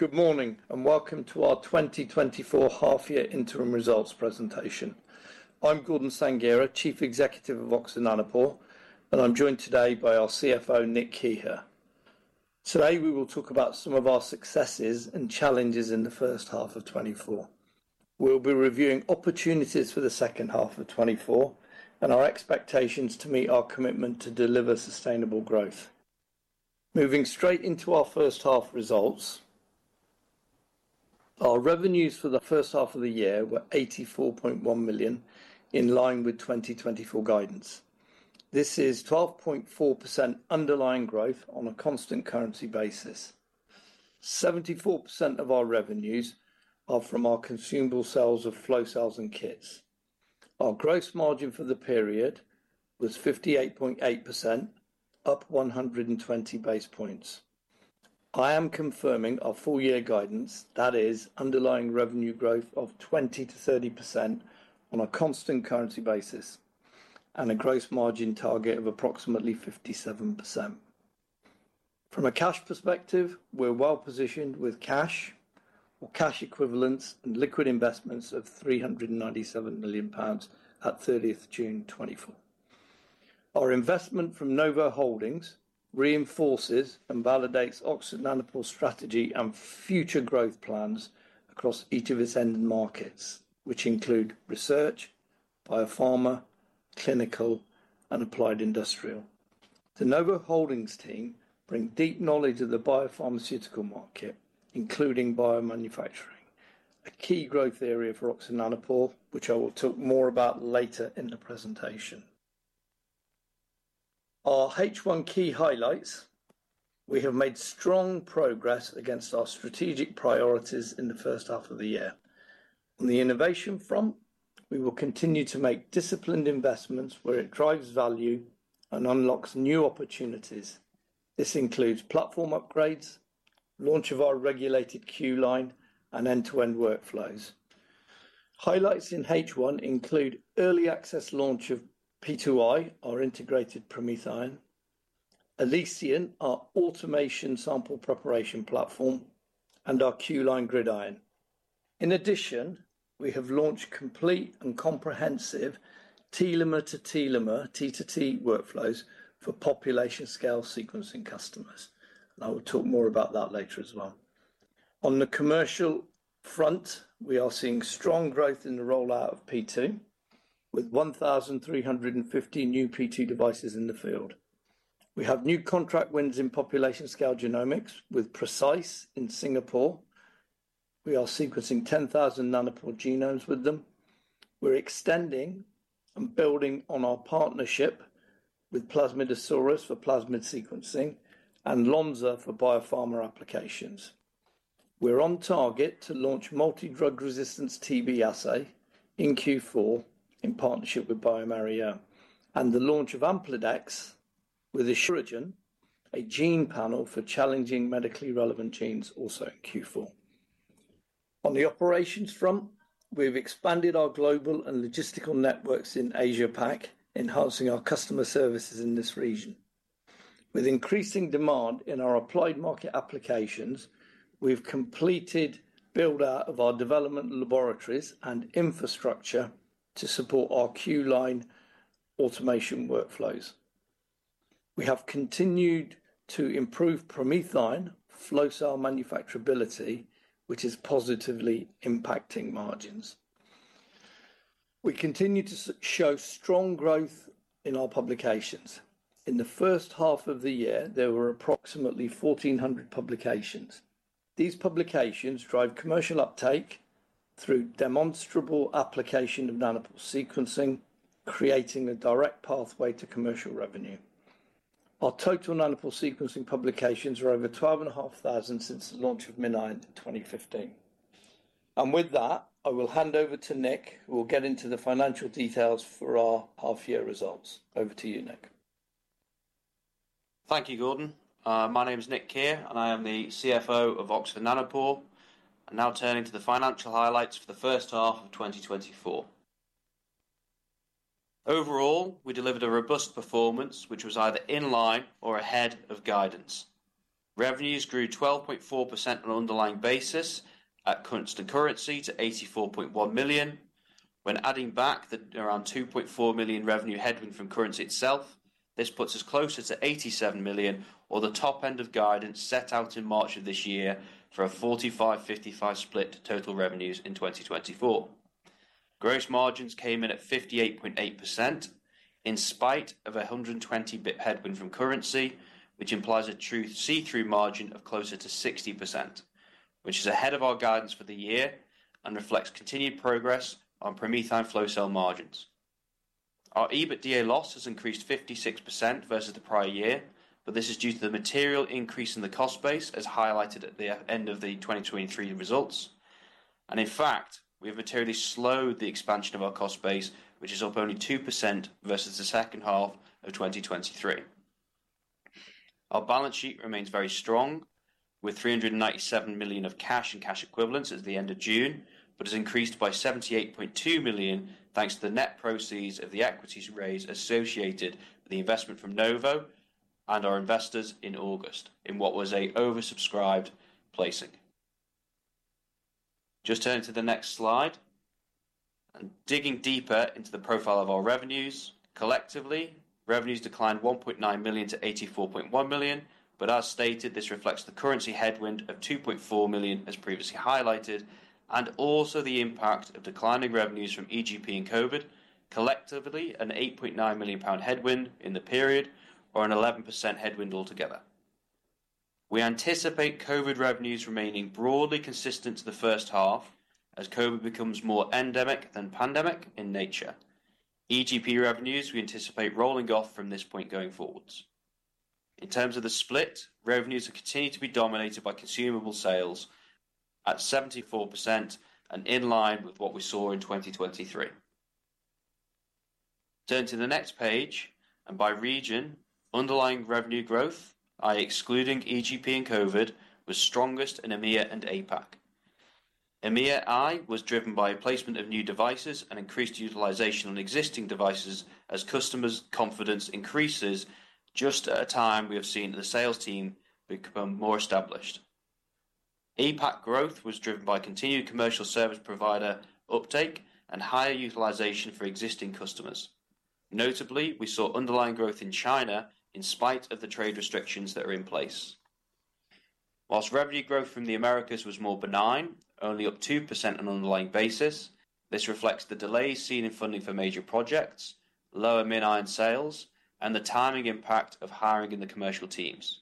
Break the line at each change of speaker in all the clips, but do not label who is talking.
Good morning, and welcome to our 2024 half-year interim results presentation. I'm Gordon Sanghera, Chief Executive of Oxford Nanopore, and I'm joined today by our CFO, Nick Keir. Today, we will talk about some of our successes and challenges in the first half of 2024. We'll be reviewing opportunities for the second half of 2024 and our expectations to meet our commitment to deliver sustainable growth. Moving straight into our first half results, our revenues for the first half of the year were 84.1 million, in line with 2024 guidance. This is 12.4% underlying growth on a constant currency basis. 74% of our revenues are from our consumable sales of flow cells and kits. Our gross margin for the period was 58.8%, up 120 basis points. I am confirming our full year guidance, that is underlying revenue growth of 20%-30% on a constant currency basis, and a gross margin target of approximately 57%. From a cash perspective, we're well positioned with cash or cash equivalents and liquid investments of 397 million pounds at 30/06/2024. Our investment from Novo Holdings reinforces and validates Oxford Nanopore's strategy and future growth plans across each of its end markets, which include research, biopharma, clinical, and applied industrial. The Novo Holdings team bring deep knowledge of the biopharmaceutical market, including biomanufacturing, a key growth area for Oxford Nanopore, which I will talk more about later in the presentation. Our H1 key highlights. We have made strong progress against our strategic priorities in the first half of the year. On the innovation front, we will continue to make disciplined investments where it drives value and unlocks new opportunities. This includes platform upgrades, launch of our regulated Q-Line, and end-to-end workflows. Highlights in H1 include early access launch of P2i, our integrated PromethION, Elysion, our automation sample preparation platform, and our Q-Line GridION. In addition, we have launched complete and comprehensive telomere-to-telomere, T2T workflows for population-scale sequencing customers. I will talk more about that later as well. On the commercial front, we are seeing strong growth in the rollout of P2, with one thousand three hundred and fifty new P2 devices in the field. We have new contract wins in population-scale genomics with PRECISE in Singapore. We are sequencing 10,000 Nanopore genomes with them. We're extending and building on our partnership with Plasmidsaurus for plasmid sequencing and Lonza for biopharma applications. We're on target to launch multi-drug resistance TB assay in Q4 in partnership with bioMérieux, and the launch of AmplideX with Asuragen, a gene panel for challenging medically relevant genes, also in Q4. On the operations front, we've expanded our global and logistical networks in Asia Pac, enhancing our customer services in this region. With increasing demand in our applied market applications, we've completed build-out of our development laboratories and infrastructure to support our Q-Line automation workflows. We have continued to improve PromethION flow cell manufacturability, which is positively impacting margins. We continue to show strong growth in our publications. In the first half of the year, there were approximately 1,400 publications. These publications drive commercial uptake through demonstrable application of Nanopore sequencing, creating a direct pathway to commercial revenue. Our total Nanopore sequencing publications are over 12,500 since the launch of MinION in 2015, and with that, I will hand over to Nick, who will get into the financial details for our half-year results. Over to you, Nick.
Thank you, Gordon. My name is Nick Keir, and I am the CFO of Oxford Nanopore. I'm now turning to the financial highlights for the first half of 2024. Overall, we delivered a robust performance, which was either in line or ahead of guidance. Revenues grew 12.4% on an underlying basis at constant currency to 84.1 million. When adding back the around 2.4 million revenue headwind from currency itself, this puts us closer to 87 million, or the top end of guidance set out in March of this year, for a 45-55 split total revenues in 2024. Gross margins came in at 58.8%, in spite of a 120 basis point headwind from currency, which implies a true see-through margin of closer to 60%, which is ahead of our guidance for the year and reflects continued progress on PromethION flow cell margins. Our EBITDA loss has increased 56% versus the prior year, but this is due to the material increase in the cost base, as highlighted at the end of the 2023 results. In fact, we have materially slowed the expansion of our cost base, which is up only 2% versus the second half of 2023. Our balance sheet remains very strong, with 397 million of cash and cash equivalents as at the end of June, but has increased by 78.2 million, thanks to the net proceeds of the equities raise associated with the investment from Novo and our investors in August, in what was an oversubscribed placing. Just turning to the next slide, and digging deeper into the profile of our revenues. Collectively, revenues declined 1.9 million to 84.1 million, but as stated, this reflects the currency headwind of 2.4 million as previously highlighted, and also the impact of declining revenues from EGP and COVID, collectively an 8.9 million pound headwind in the period or an 11% headwind altogether. We anticipate COVID revenues remaining broadly consistent to the first half, as COVID becomes more endemic than pandemic in nature. EGP revenues, we anticipate rolling off from this point going forwards. In terms of the split, revenues have continued to be dominated by consumable sales at 74% and in line with what we saw in 2023. Turning to the next page, and by region, underlying revenue growth, i.e., excluding EGP and COVID, was strongest in EMEA and APAC. EMEA, it was driven by placement of new devices and increased utilization on existing devices as customers' confidence increases just at a time we have seen the sales team become more established. APAC growth was driven by continued commercial service provider uptake and higher utilization for existing customers. Notably, we saw underlying growth in China in spite of the trade restrictions that are in place. While revenue growth from the Americas was more benign, only up 2% on an underlying basis, this reflects the delay seen in funding for major projects, lower MinION sales, and the timing impact of hiring in the commercial teams.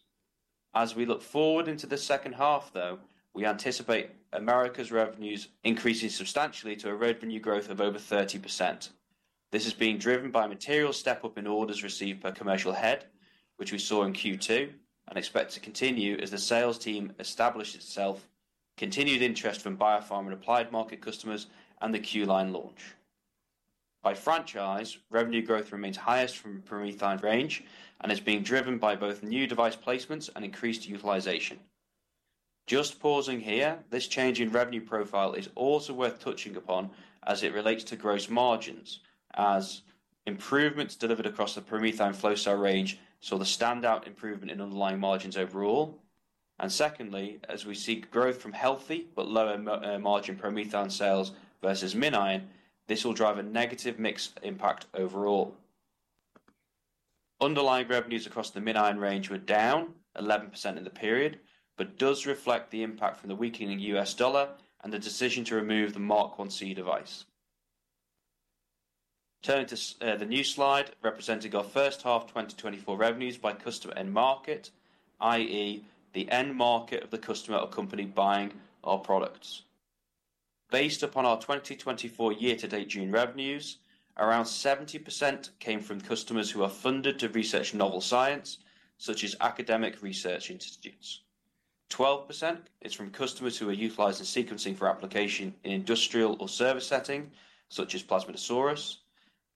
As we look forward into the second half, though, we anticipate Americas' revenues increasing substantially to a revenue growth of over 30%. This is being driven by a material step-up in orders received per commercial head, which we saw in Q2, and expect to continue as the sales team establishes itself, continued interest from biopharma and applied market customers, and the Q-Line launch. By franchise, revenue growth remains highest from PromethION range and is being driven by both new device placements and increased utilization. Just pausing here, this change in revenue profile is also worth touching upon as it relates to gross margins, as improvements delivered across the PromethION flow cell range saw the standout improvement in underlying margins overall, and secondly, as we seek growth from healthy but lower margin PromethION sales versus MinION, this will drive a negative mix impact overall. Underlying revenues across the MinION range were down 11% in the period, but does reflect the impact from the weakening US dollar and the decision to remove the MinION Mk1C device. Turning to the new slide, representing our first half 2024 revenues by customer end market, i.e., the end market of the customer or company buying our products. Based upon our 2024 year-to-date June revenues, around 70% came from customers who are funded to research novel science, such as academic research institutes. 12% is from customers who are utilizing sequencing for application in industrial or service setting, such as Plasmidsaurus.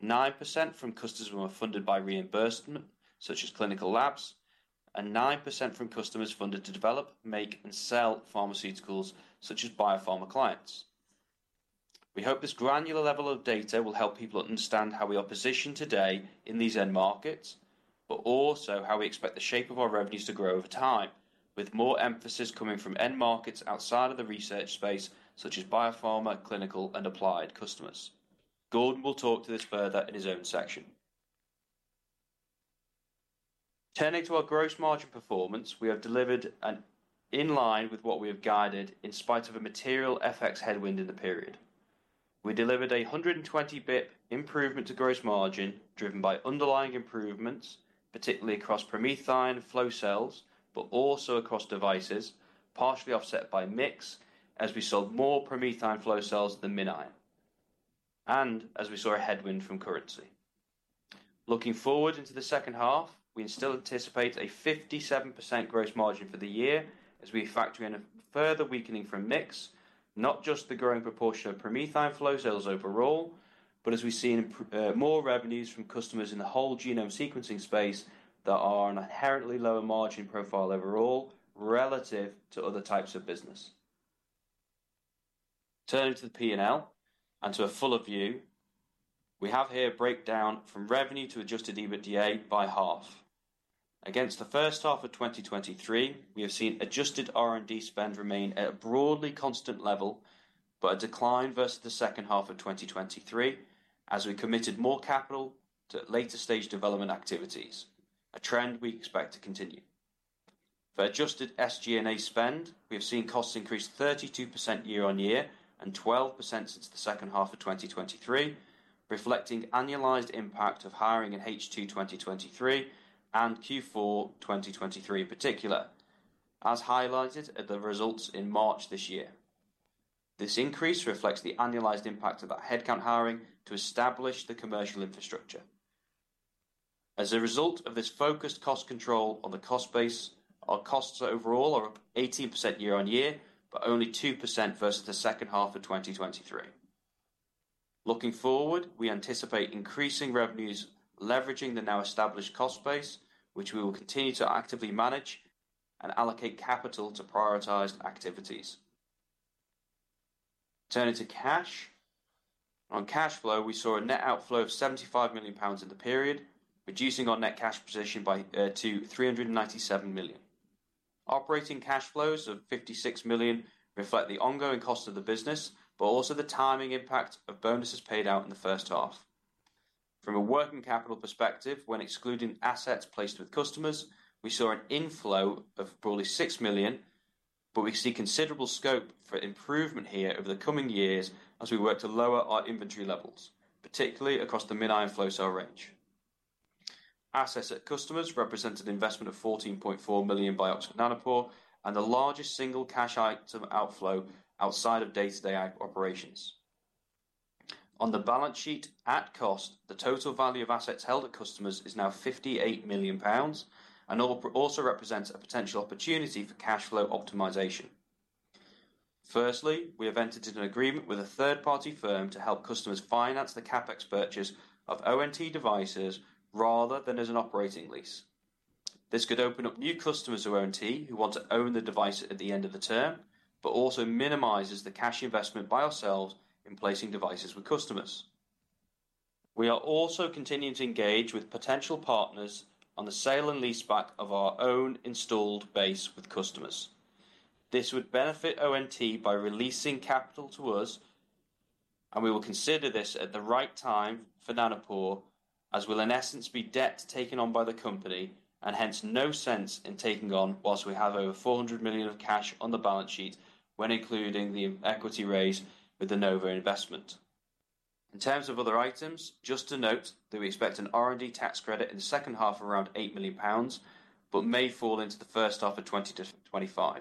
9% from customers who are funded by reimbursement, such as clinical labs, and 9% from customers funded to develop, make, and sell pharmaceuticals, such as biopharma clients. We hope this granular level of data will help people understand how we are positioned today in these end markets, but also how we expect the shape of our revenues to grow over time, with more emphasis coming from end markets outside of the research space, such as biopharma, clinical, and applied customers. Gordon will talk to this further in his own section. Turning to our gross margin performance, we have delivered in line with what we have guided, in spite of a material FX headwind in the period. We delivered 120 basis points improvement to gross margin, driven by underlying improvements, particularly across PromethION flow cells, but also across devices, partially offset by mix as we sold more PromethION flow cells than MinION, and as we saw a headwind from currency. Looking forward into the second half, we still anticipate a 57% gross margin for the year as we factor in a further weakening from mix, not just the growing proportion of PromethION flow cells overall, but as we see more revenues from customers in the whole genome sequencing space that are an inherently lower margin profile overall, relative to other types of business. Turning to the P&L and to a fuller view, we have here a breakdown from revenue to adjusted EBITDA by half. Against the first half of 2023, we have seen adjusted R&D spend remain at a broadly constant level, but a decline versus the second half of 2023, as we committed more capital to later-stage development activities, a trend we expect to continue. For adjusted SG&A spend, we have seen costs increase 32% year on year and 12% since the second half of 2023, reflecting the annualized impact of hiring in H2 2023 and Q4 2023 in particular, as highlighted at the results in March this year. This increase reflects the annualized impact of that headcount hiring to establish the commercial infrastructure. As a result of this focused cost control on the cost base, our costs overall are up 18% year on year, but only 2% versus the second half of 2023. Looking forward, we anticipate increasing revenues, leveraging the now established cost base, which we will continue to actively manage and allocate capital to prioritized activities. Turning to cash. On cash flow, we saw a net outflow of 75 million pounds in the period, reducing our net cash position to 397 million GBP. Operating cash flows of 56 million GBP reflect the ongoing cost of the business, but also the timing impact of bonuses paid out in the first half. From a working capital perspective, when excluding assets placed with customers, we saw an inflow of broadly 6 million GBP, but we see considerable scope for improvement here over the coming years as we work to lower our inventory levels, particularly across the MinION flow cell range. Assets at customers represented an investment of 14.4 million by Oxford Nanopore, and the largest single cash item outflow outside of day-to-day operations. On the balance sheet, at cost, the total value of assets held at customers is now 58 million pounds, and also represents a potential opportunity for cash flow optimization. Firstly, we have entered into an agreement with a third-party firm to help customers finance the CapEx purchase of ONT devices rather than as an operating lease. This could open up new customers to ONT who want to own the device at the end of the term, but also minimizes the cash investment by ourselves in placing devices with customers. We are also continuing to engage with potential partners on the sale and leaseback of our own installed base with customers. This would benefit ONT by releasing capital to us, and we will consider this at the right time for Nanopore, as it will in essence be debt taken on by the company, and hence no sense in taking on while we have over 400 million of cash on the balance sheet when including the equity raise with the Novo investment. In terms of other items, just to note that we expect an R&D tax credit in the second half around 8 million pounds, but may fall into the first half of 2024-2025.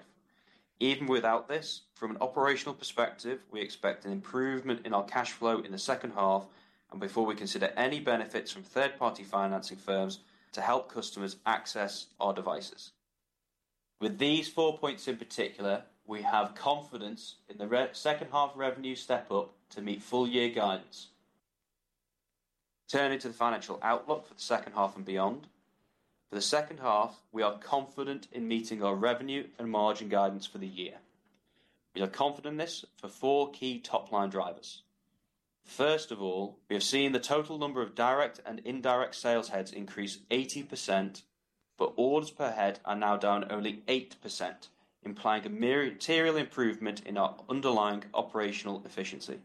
Even without this, from an operational perspective, we expect an improvement in our cash flow in the second half and before we consider any benefits from third-party financing firms to help customers access our devices. With these four points in particular, we have confidence in the second half revenue step up to meet full year guidance. Turning to the financial outlook for the second half and beyond. For the second half, we are confident in meeting our revenue and margin guidance for the year. We are confident in this for four key top-line drivers. First of all, we have seen the total number of direct and indirect sales heads increase 80%, but orders per head are now down only 8%, implying a material improvement in our underlying operational efficiency.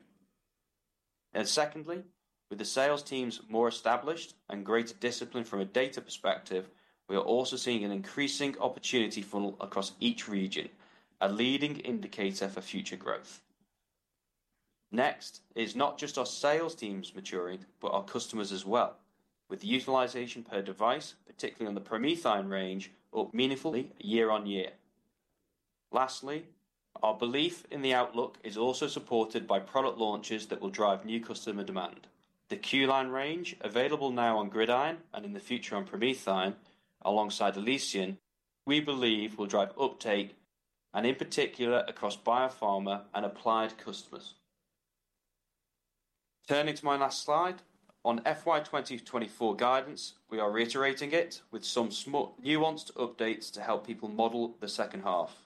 And secondly, with the sales teams more established and greater discipline from a data perspective, we are also seeing an increasing opportunity funnel across each region, a leading indicator for future growth. Next, is not just our sales teams maturing, but our customers as well, with the utilization per device, particularly on the PromethION range, up meaningfully year on year. Lastly, our belief in the outlook is also supported by product launches that will drive new customer demand. The Q-Line range, available now on GridION and in the future on PromethION, alongside Elysion, we believe will drive uptake and in particular, across biopharma and applied customers. Turning to my last slide. On FY 2024 guidance, we are reiterating it with some small nuanced updates to help people model the second half.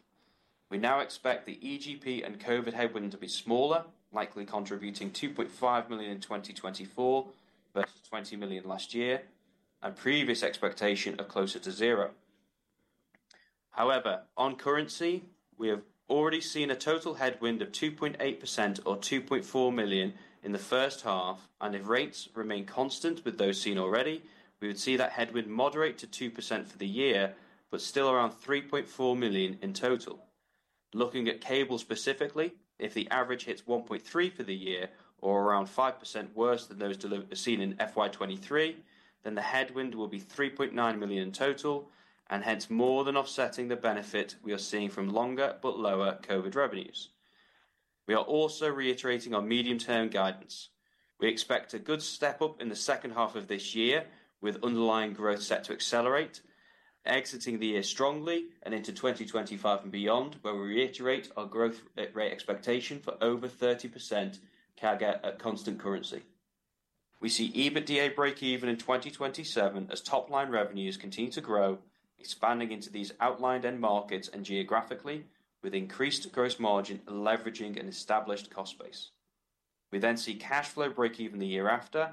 We now expect the EGP and COVID headwind to be smaller, likely contributing 2.5 million in 2024 versus 20 million last year, and previous expectation of closer to zero. However, on currency, we have already seen a total headwind of 2.8% or 2.4 million in the first half, and if rates remain constant with those seen already, we would see that headwind moderate to 2% for the year, but still around 3.4 million in total. Looking at cable specifically, if the average hits 1.3 for the year, or around 5% worse than those seen in FY 2023, then the headwind will be 3.9 million in total, and hence more than offsetting the benefit we are seeing from longer but lower COVID revenues. We are also reiterating our medium-term guidance. We expect a good step up in the second half of this year, with underlying growth set to accelerate, exiting the year strongly and into 2025 and beyond, where we reiterate our growth rate expectation for over 30% CAGR at constant currency. We see EBITDA break even in 2027 as top-line revenues continue to grow, expanding into these outlined end markets and geographically, with increased gross margin and leveraging an established cost base. We then see cash flow break even the year after,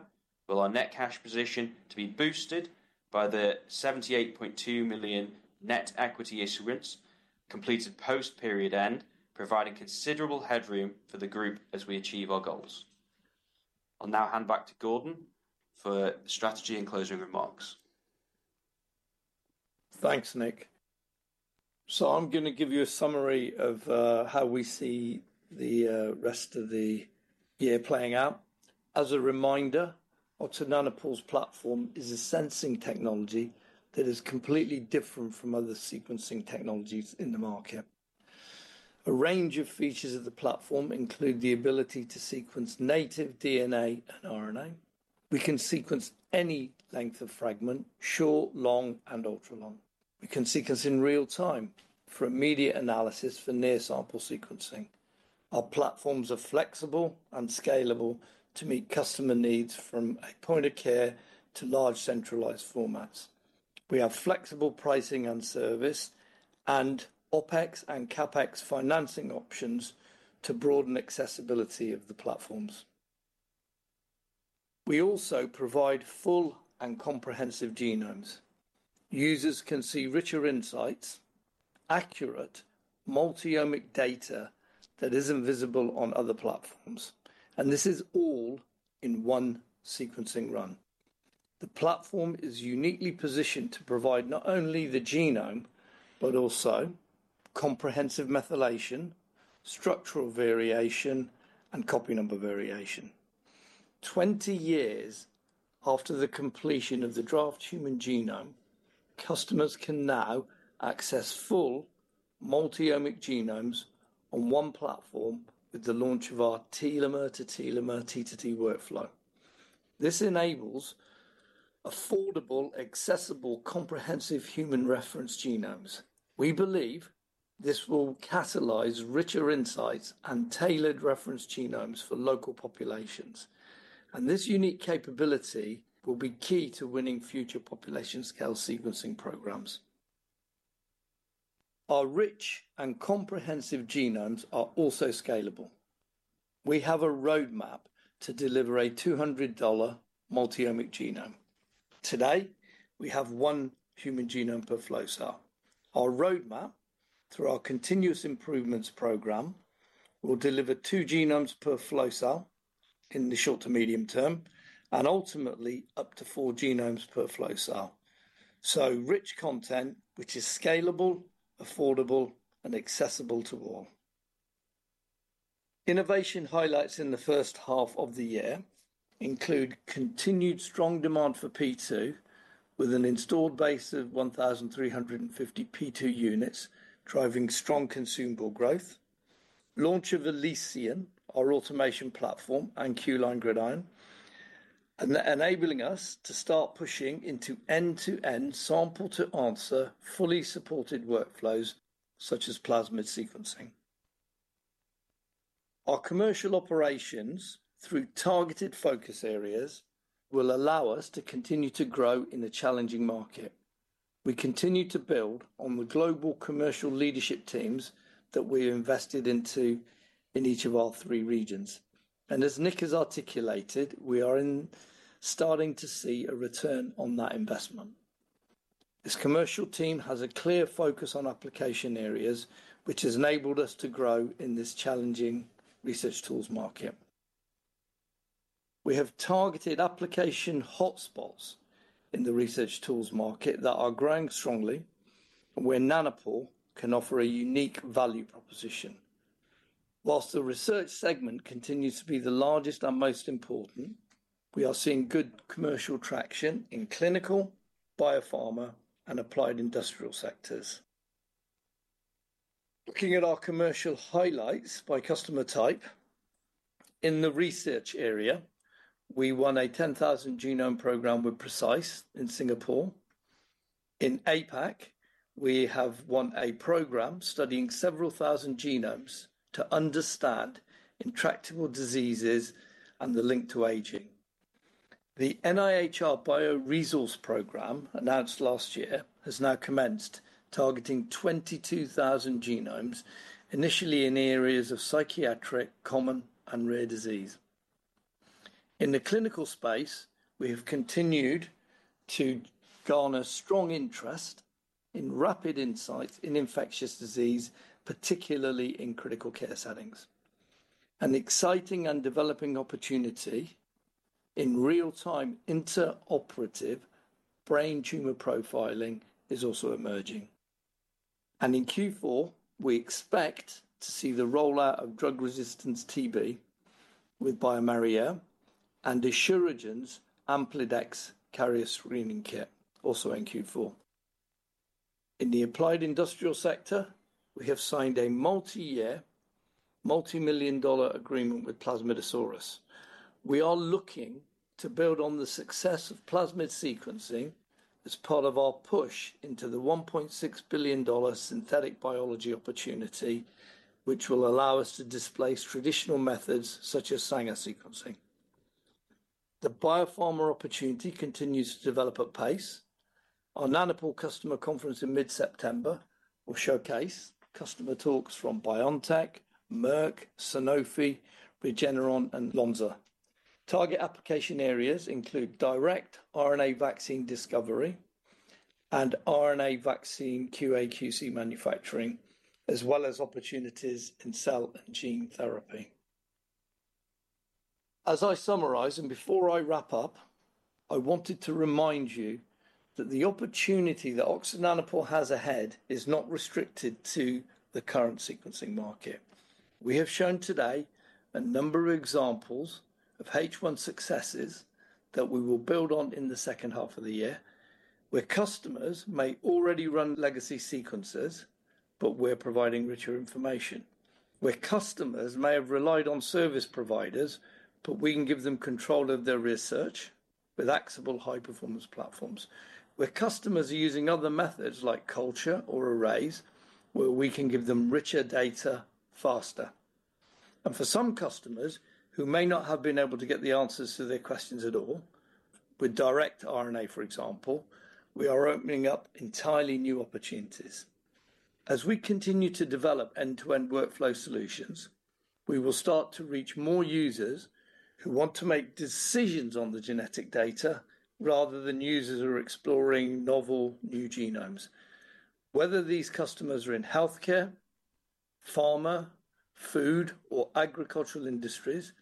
with our net cash position to be boosted by the 78.2 million net equity issuance completed post-period end, providing considerable headroom for the group as we achieve our goals. I'll now hand back to Gordon for strategy and closing remarks.
Thanks, Nick. So I'm gonna give you a summary of how we see the rest of the year playing out. As a reminder, Oxford Nanopore's platform is a sensing technology that is completely different from other sequencing technologies in the market. A range of features of the platform include the ability to sequence native DNA and RNA. We can sequence any length of fragment: short, long, and ultra long. We can sequence in real time for immediate analysis for near sample sequencing. Our platforms are flexible and scalable to meet customer needs, from a point of care to large centralized formats. We have flexible pricing and service, and OpEx and CapEx financing options to broaden accessibility of the platforms. We also provide full and comprehensive genomes. Users can see richer insights, accurate multi-omic data that isn't visible on other platforms, and this is all in one sequencing run. The platform is uniquely positioned to provide not only the genome, but also comprehensive methylation, structural variation, and copy number variation. 20 years after the completion of the draft human genome, customers can now access full multi-omic genomes on one platform with the launch of our Telomere-to-telomere T2T workflow. This enables affordable, accessible, comprehensive human reference genomes. We believe this will catalyze richer insights and tailored reference genomes for local populations, and this unique capability will be key to winning future population scale sequencing programs. Our rich and comprehensive genomes are also scalable. We have a roadmap to deliver a $200 multi-omic genome. Today, we have one human genome per flow cell. Our roadmap, through our continuous improvements program, will deliver two genomes per flow cell in the short to medium term, and ultimately up to four genomes per flow cell. So rich content, which is scalable, affordable, and accessible to all. Innovation highlights in the first half of the year include continued strong demand for P2, with an installed base of 1,350 P2 units, driving strong consumable growth. Launch of Elysion, our automation platform, and Q-Line GridION, enabling us to start pushing into end-to-end sample-to-answer, fully supported workflows such as plasmid sequencing. Our commercial operations, through targeted focus areas, will allow us to continue to grow in a challenging market. We continue to build on the global commercial leadership teams that we invested into in each of our three regions, and as Nick has articulated, we are starting to see a return on that investment. This commercial team has a clear focus on application areas, which has enabled us to grow in this challenging research tools market. We have targeted application hotspots in the research tools market that are growing strongly and where Nanopore can offer a unique value proposition. While the research segment continues to be the largest and most important, we are seeing good commercial traction in clinical, biopharma, and applied industrial sectors. Looking at our commercial highlights by customer type, in the research area, we won a 10,000 genome program with PRECISE in Singapore. In APAC, we have won a program studying several thousand genomes to understand intractable diseases and the link to aging. The NIHR BioResource program, announced last year, has now commenced, targeting 22,000 genomes, initially in areas of psychiatric, common, and rare disease. In the clinical space, we have continued to garner strong interest in rapid insights in infectious disease, particularly in critical care settings. An exciting and developing opportunity in real-time interoperative brain tumor profiling is also emerging. In Q4, we expect to see the rollout of drug-resistance TB with bioMérieux and Asuragen's AmplideX carrier screening kit, also in Q4. In the applied industrial sector, we have signed a multi-year, multi-million-dollar agreement with Plasmidsaurus. We are looking to build on the success of plasmid sequencing as part of our push into the $1.6 billion synthetic biology opportunity, which will allow us to displace traditional methods such as Sanger sequencing. The biopharma opportunity continues to develop at pace. Our Nanopore customer conference in mid-September will showcase customer talks from BioNTech, Merck, Sanofi, Regeneron, and Lonza. Target application areas include direct RNA vaccine discovery and RNA vaccine QA/QC manufacturing, as well as opportunities in cell and gene therapy. As I summarize, and before I wrap up, I wanted to remind you that the opportunity that Oxford Nanopore has ahead is not restricted to the current sequencing market. We have shown today a number of examples of H1 successes that we will build on in the second half of the year, where customers may already run legacy sequences, but we're providing richer information. Where customers may have relied on service providers, but we can give them control of their research with accessible, high-performance platforms. Where customers are using other methods like culture or arrays, where we can give them richer data faster. And for some customers who may not have been able to get the answers to their questions at all, with direct RNA, for example, we are opening up entirely new opportunities. As we continue to develop end-to-end workflow solutions, we will start to reach more users who want to make decisions on the genetic data, rather than users who are exploring novel new genomes. Whether these customers are in healthcare, pharma, food, or agricultural industries,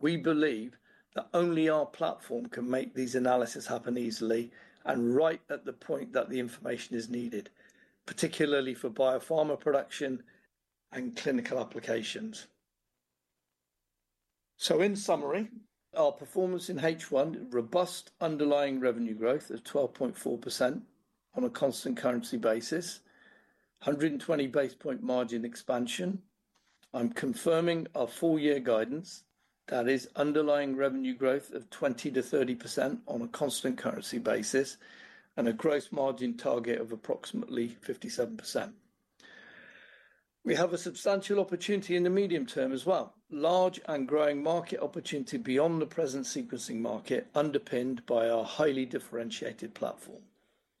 we believe that only our platform can make these analysis happen easily and right at the point that the information is needed, particularly for biopharma production and clinical applications. So in summary, our performance in H1, robust underlying revenue growth of 12.4% on a constant currency basis, 120 basis points margin expansion. I'm confirming our full year guidance, that is underlying revenue growth of 20%-30% on a constant currency basis and a gross margin target of approximately 57%. We have a substantial opportunity in the medium term as well. Large and growing market opportunity beyond the present sequencing market, underpinned by our highly differentiated platform.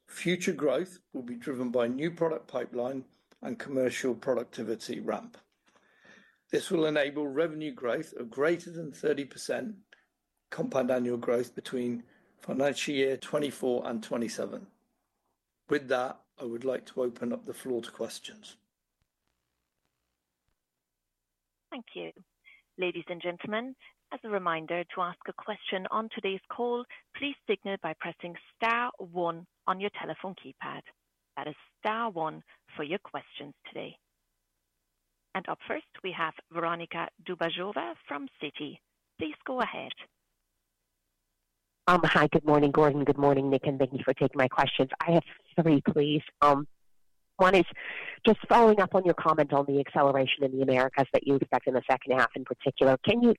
Future growth will be driven by new product pipeline and commercial productivity ramp. This will enable revenue growth of greater than 30% compound annual growth between financial year 2024 and 2027. With that, I would like to open up the floor to questions.
Thank you. Ladies and gentlemen, as a reminder, to ask a question on today's call, please signal by pressing star one on your telephone keypad. That is star one for your questions today. And up first, we have Veronika Dubajova from Citi. Please go ahead.
Hi. Good morning, Gordon. Good morning, Nick, and thank you for taking my questions. I have three, please. One is just following up on your comment on the acceleration in the Americas that you expect in the second half in particular. Can you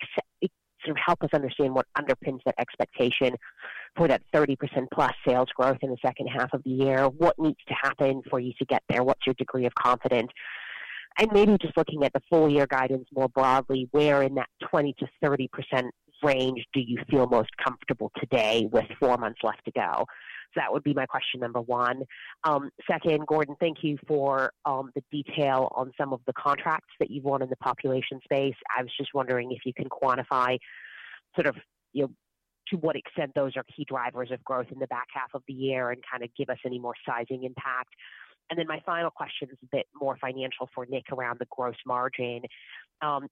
sort of help us understand what underpins that expectation for that 30% plus sales growth in the second half of the year? What needs to happen for you to get there? What's your degree of confidence? And maybe just looking at the full year guidance more broadly, where in that 20%-30% range do you feel most comfortable today with four months left to go? So that would be my question number one. Second, Gordon, thank you for the detail on some of the contracts that you've won in the population space. I was just wondering if you can quantify sort of, you know, to what extent those are key drivers of growth in the back half of the year and kind of give us any more sizing impact. And then my final question is a bit more financial for Nick around the gross margin.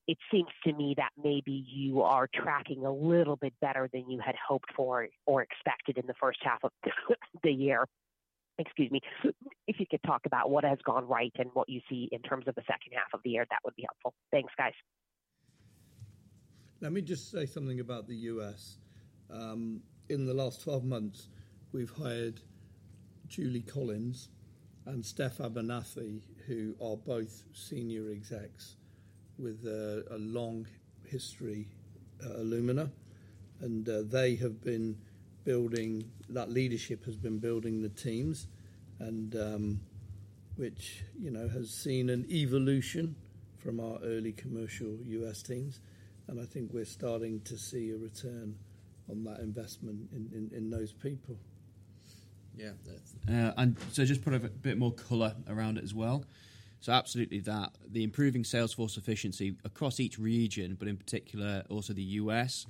It seems to me that maybe you are tracking a little bit better than you had hoped for or expected in the first half of the year. Excuse me. If you could talk about what has gone right and what you see in terms of the second half of the year, that would be helpful. Thanks, guys.
Let me just say something about the U.S. In the last 12 months, we've hired Julie Collins and Steph Abernathy, who are both senior execs with a long history at Illumina, and that leadership has been building the teams, which, you know, has seen an evolution from our early commercial U.S. teams, and I think we're starting to see a return on that investment in those people.
Yeah. And so just put a bit more color around it as well. So, absolutely, the improving sales force efficiency across each region, but in particular, also the U.S.,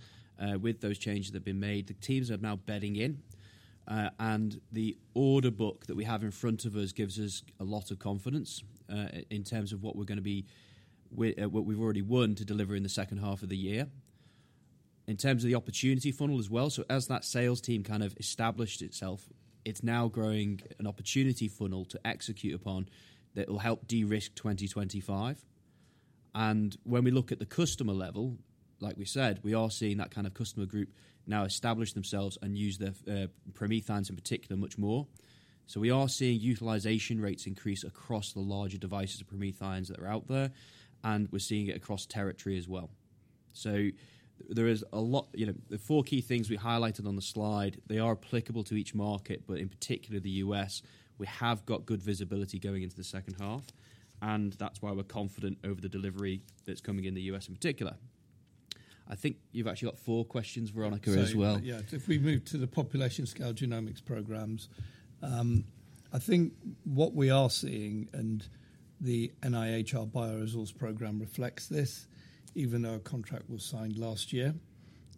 with those changes that have been made, the teams are now bedding in. And the order book that we have in front of us gives us a lot of confidence in terms of what we've already won to deliver in the second half of the year. In terms of the opportunity funnel as well, so as that sales team kind of established itself, it's now growing an opportunity funnel to execute upon that will help de-risk 2025. And when we look at the customer level, like we said, we are seeing that kind of customer group now establish themselves and use their PromethION s in particular, much more. So we are seeing utilization rates increase across the larger devices of PromethION s that are out there, and we're seeing it across territory as well. So there is a lot, you know, the four key things we highlighted on the slide, they are applicable to each market, but in particular the U.S., we have got good visibility going into the second half, and that's why we're confident over the delivery that's coming in the U.S. in particular. I think you've actually got four questions, Veronika, as well.
So, yeah, if we move to the population scale genomics programs, I think what we are seeing, and the NIHR Bioresource program reflects this, even though a contract was signed last year,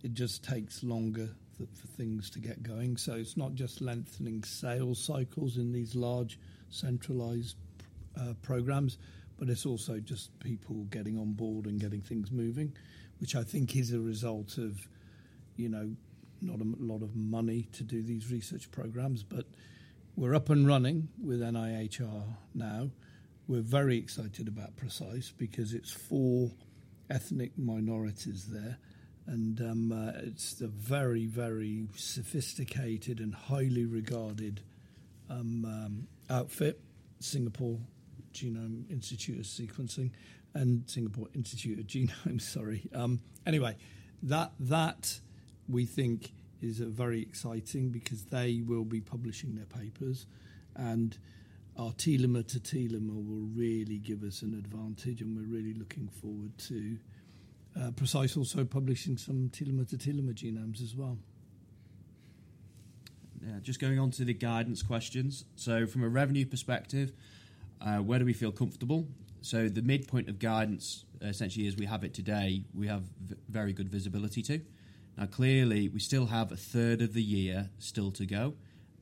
it just takes longer for things to get going. So it's not just lengthening sales cycles in these large, centralized programs, but it's also just people getting on board and getting things moving, which I think is a result of, you know, not a lot of money to do these research programs. But we're up and running with NIHR now. We're very excited about PRECISE because it's four ethnic minorities there, and it's a very, very sophisticated and highly regarded outfit, Singapore Institute of Genome, sorry. Anyway, that... We think is very exciting because they will be publishing their papers, and our T2T will really give us an advantage, and we're really looking forward to PRECISE also publishing some T2T genomes as well.
Yeah. Just going on to the guidance questions. So from a revenue perspective, where do we feel comfortable? So the midpoint of guidance, essentially, as we have it today, we have very good visibility to. Now, clearly, we still have a third of the year to go,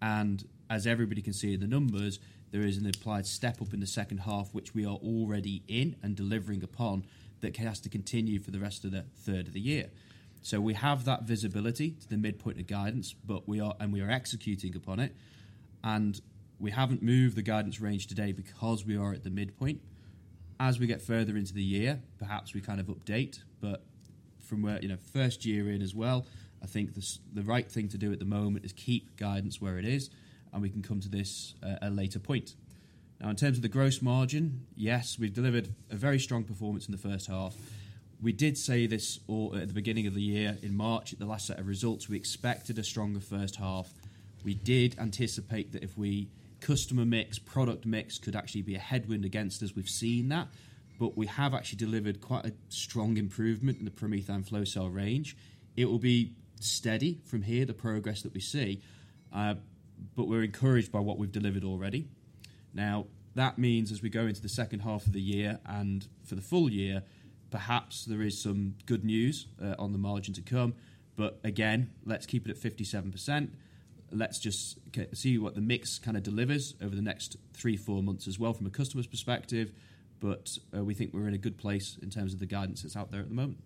and as everybody can see the numbers, there is an applied step up in the second half, which we are already in and delivering upon. That has to continue for the rest of the third of the year. So we have that visibility to the midpoint of guidance, but we are and we are executing upon it, and we haven't moved the guidance range today because we are at the midpoint. As we get further into the year, perhaps we kind of update, but from where, you know, first year in as well, I think the right thing to do at the moment is keep guidance where it is, and we can come to this at a later point. Now, in terms of the gross margin, yes, we've delivered a very strong performance in the first half. We did say this all at the beginning of the year. In March, at the last set of results, we expected a stronger first half. We did anticipate that our customer mix, product mix could actually be a headwind against us. We've seen that, but we have actually delivered quite a strong improvement in the PromethION Flow Cell range. It will be steady from here, the progress that we see, but we're encouraged by what we've delivered already. Now, that means, as we go into the second half of the year and for the full year, perhaps there is some good news on the margin to come, but again, let's keep it at 57%. Let's just see what the mix kinda delivers over the next three, four months as well from a customer's perspective, but we think we're in a good place in terms of the guidance that's out there at the moment.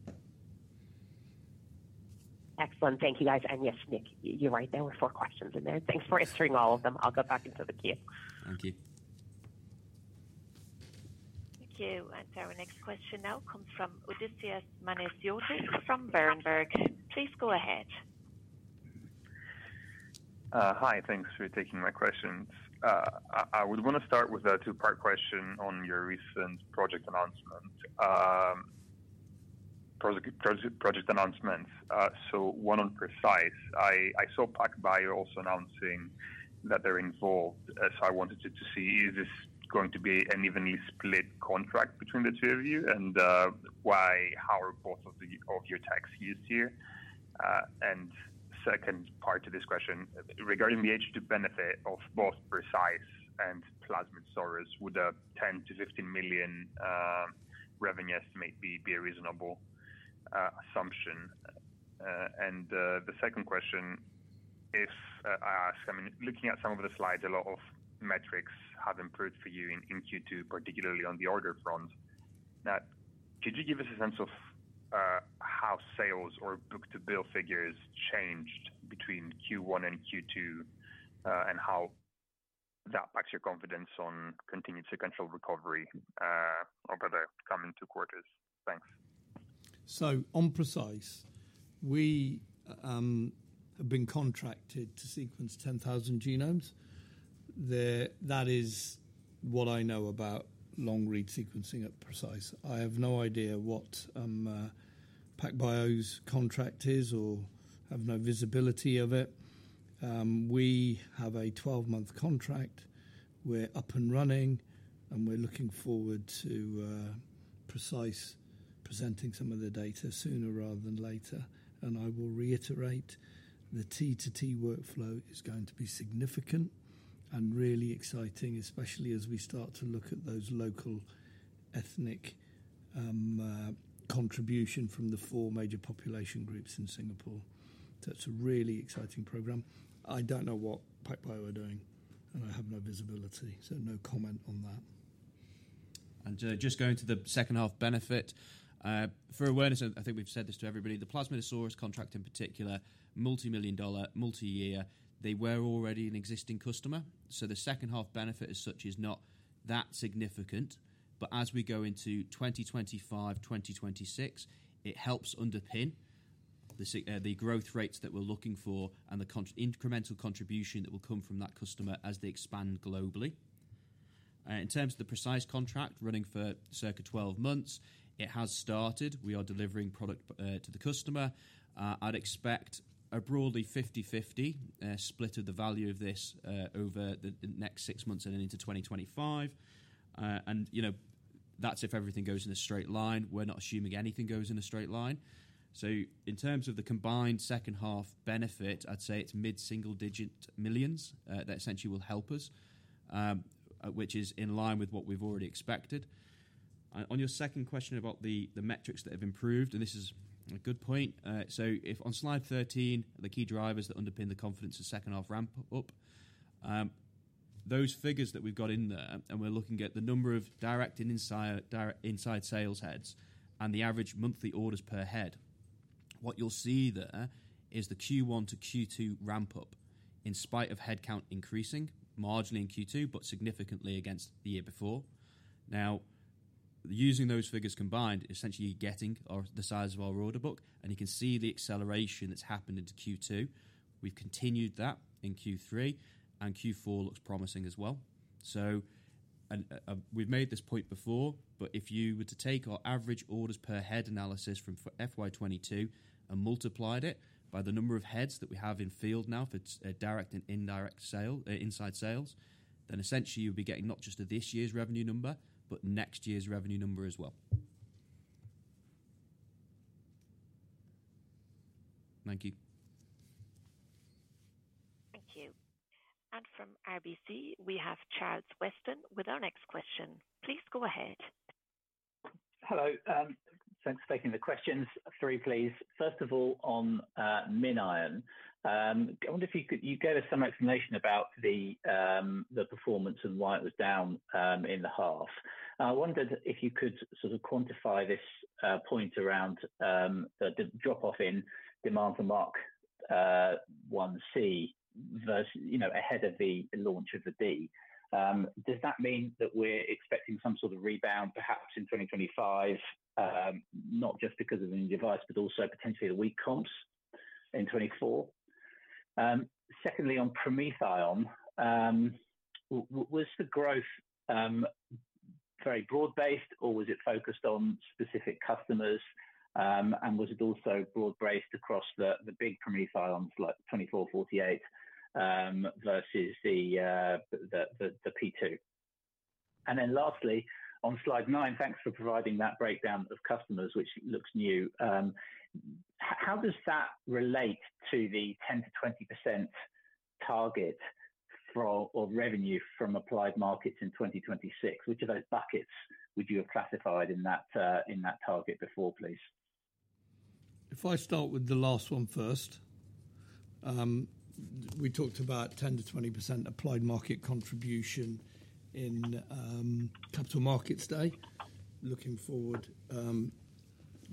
Excellent. Thank you, guys. And yes, Nick, you're right, there were four questions in there. Thanks for answering all of them. I'll go back into the queue.
Thank you.
Thank you. And so our next question now comes from Odysseus Manesiotis from Berenberg. Please go ahead.
Hi, thanks for taking my questions. I would wanna start with a two-part question on your recent project announcement. So one on PRECISE. I saw PacBio also announcing that they're involved, so I wanted to see, is this going to be an evenly split contract between the two of you? And why, how are both of your techs used here? And second part to this question, regarding the H2 benefit of both PRECISE and Plasmidsaurus, would a £10-£15 million revenue estimate be a reasonable assumption? And the second question is, I mean, looking at some of the slides, a lot of metrics have improved for you in Q2, particularly on the order front. Now, could you give us a sense of how sales or book-to-bill figures changed between Q1 and Q2, and how that impacts your confidence on continued sequential recovery over the coming two quarters? Thanks.
So on PRECISE, we have been contracted to sequence 10,000 genomes. That is what I know about long read sequencing at PRECISE. I have no idea what PacBio's contract is or have no visibility of it. We have a 12-month contract. We're up and running, and we're looking forward to PRECISE presenting some of the data sooner rather than later. And I will reiterate, the T2T workflow is going to be significant and really exciting, especially as we start to look at those local ethnic contribution from the four major population groups in Singapore. So it's a really exciting program. I don't know what PacBio are doing, and I have no visibility, so no comment on that.
Just going to the second half benefit. For awareness, and I think we've said this to everybody, the Plasmidsaurus contract in particular, multimillion dollar, multi-year, they were already an existing customer, so the second half benefit as such is not that significant. But as we go into 2025,2026, it helps underpin the growth rates that we're looking for and the incremental contribution that will come from that customer as they expand globally. In terms of the PRECISE contract, running for circa 12 months, it has started. We are delivering product to the customer. I'd expect a broadly 50/50 split of the value of this over the next 6 months and into 2025. You know, that's if everything goes in a straight line. We're not assuming anything goes in a straight line. So in terms of the combined second half benefit, I'd say it's mid-single-digit millions, that essentially will help us, which is in line with what we've already expected. On your second question about the metrics that have improved, and this is a good point. So if on slide 13, the key drivers that underpin the confidence of second half ramp up, those figures that we've got in there, and we're looking at the number of direct inside sales heads and the average monthly orders per head. What you'll see there is the Q1 to Q2 ramp up, in spite of headcount increasing marginally in Q2, but significantly against the year before. Now, using those figures combined, essentially, you're getting our, the size of our order book, and you can see the acceleration that's happened into Q2. We've continued that in Q3, and Q4 looks promising as well. So, we've made this point before, but if you were to take our average orders per head analysis from FY2022 and multiplied it by the number of heads that we have in field now, for its direct and indirect sale, inside sales, then essentially you'll be getting not just this year's revenue number, but next year's revenue number as well. Thank you.
Thank you. And from RBC, we have Charles Weston with our next question. Please go ahead.
Hello. Thanks for taking the questions. Three, please. First of all, on MinION. I wonder if you could give us some explanation about the performance and why it was down in the half. I wondered if you could sort of quantify this point around the drop-off in demand for Mark 1C versus, you know, ahead of the launch of the D. Does that mean that we're expecting some sort of rebound, perhaps in 2025? Not just because of the new device, but also potentially the weak comps in 2024. Secondly, on PromethION, was the growth very broad-based, or was it focused on specific customers? And was it also broad-based across the big PromethION s, like 2448 versus the P2? And then lastly, on slide nine, thanks for providing that breakdown of customers, which looks new. How does that relate to the 10%-20% target for or revenue from applied markets in 2026? Which of those buckets would you have classified in that target before, please?
If I start with the last one first. We talked about 10%-20% applied market contribution in capital markets day, looking forward.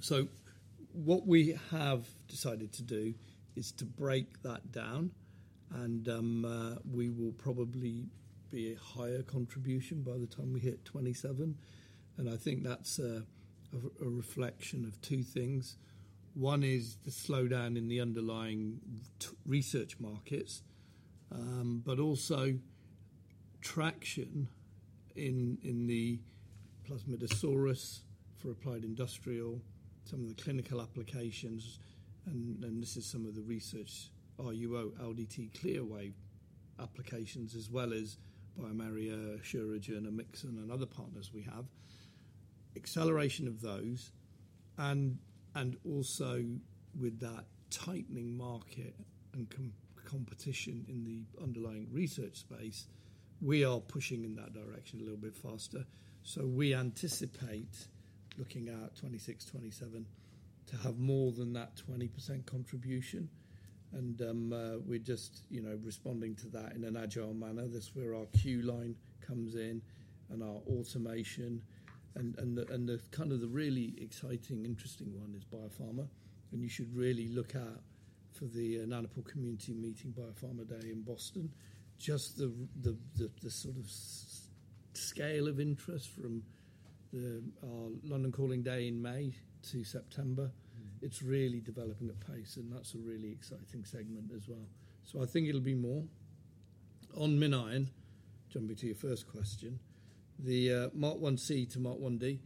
So what we have decided to do is to break that down and we will probably be a higher contribution by the time we hit 2027, and I think that's a reflection of two things. One is the slowdown in the underlying research markets, but also traction in the Plasmidsaurus for applied industrial, some of the clinical applications, and this is some of the research, RUO, LDT CLIA applications, as well as by bioMérieux, Asuragen, and MinION and other partners we have. Acceleration of those, and also with that tightening market and competition in the underlying research space, we are pushing in that direction a little bit faster. We anticipate looking at 2026, 2027 to have more than that 20% contribution. We're just, you know, responding to that in an agile manner. That's where our Q-Line comes in and our automation and the kind of the really exciting, interesting one is biopharma. You should really look out for the Nanopore community meeting, Biopharma Day in Boston. Just the sort of scale of interest from the London Calling Day in May to September. It's really developing at pace, and that's a really exciting segment as well. I think it'll be more. On MinION, jumping to your first question, the Mk1C to Mk1D.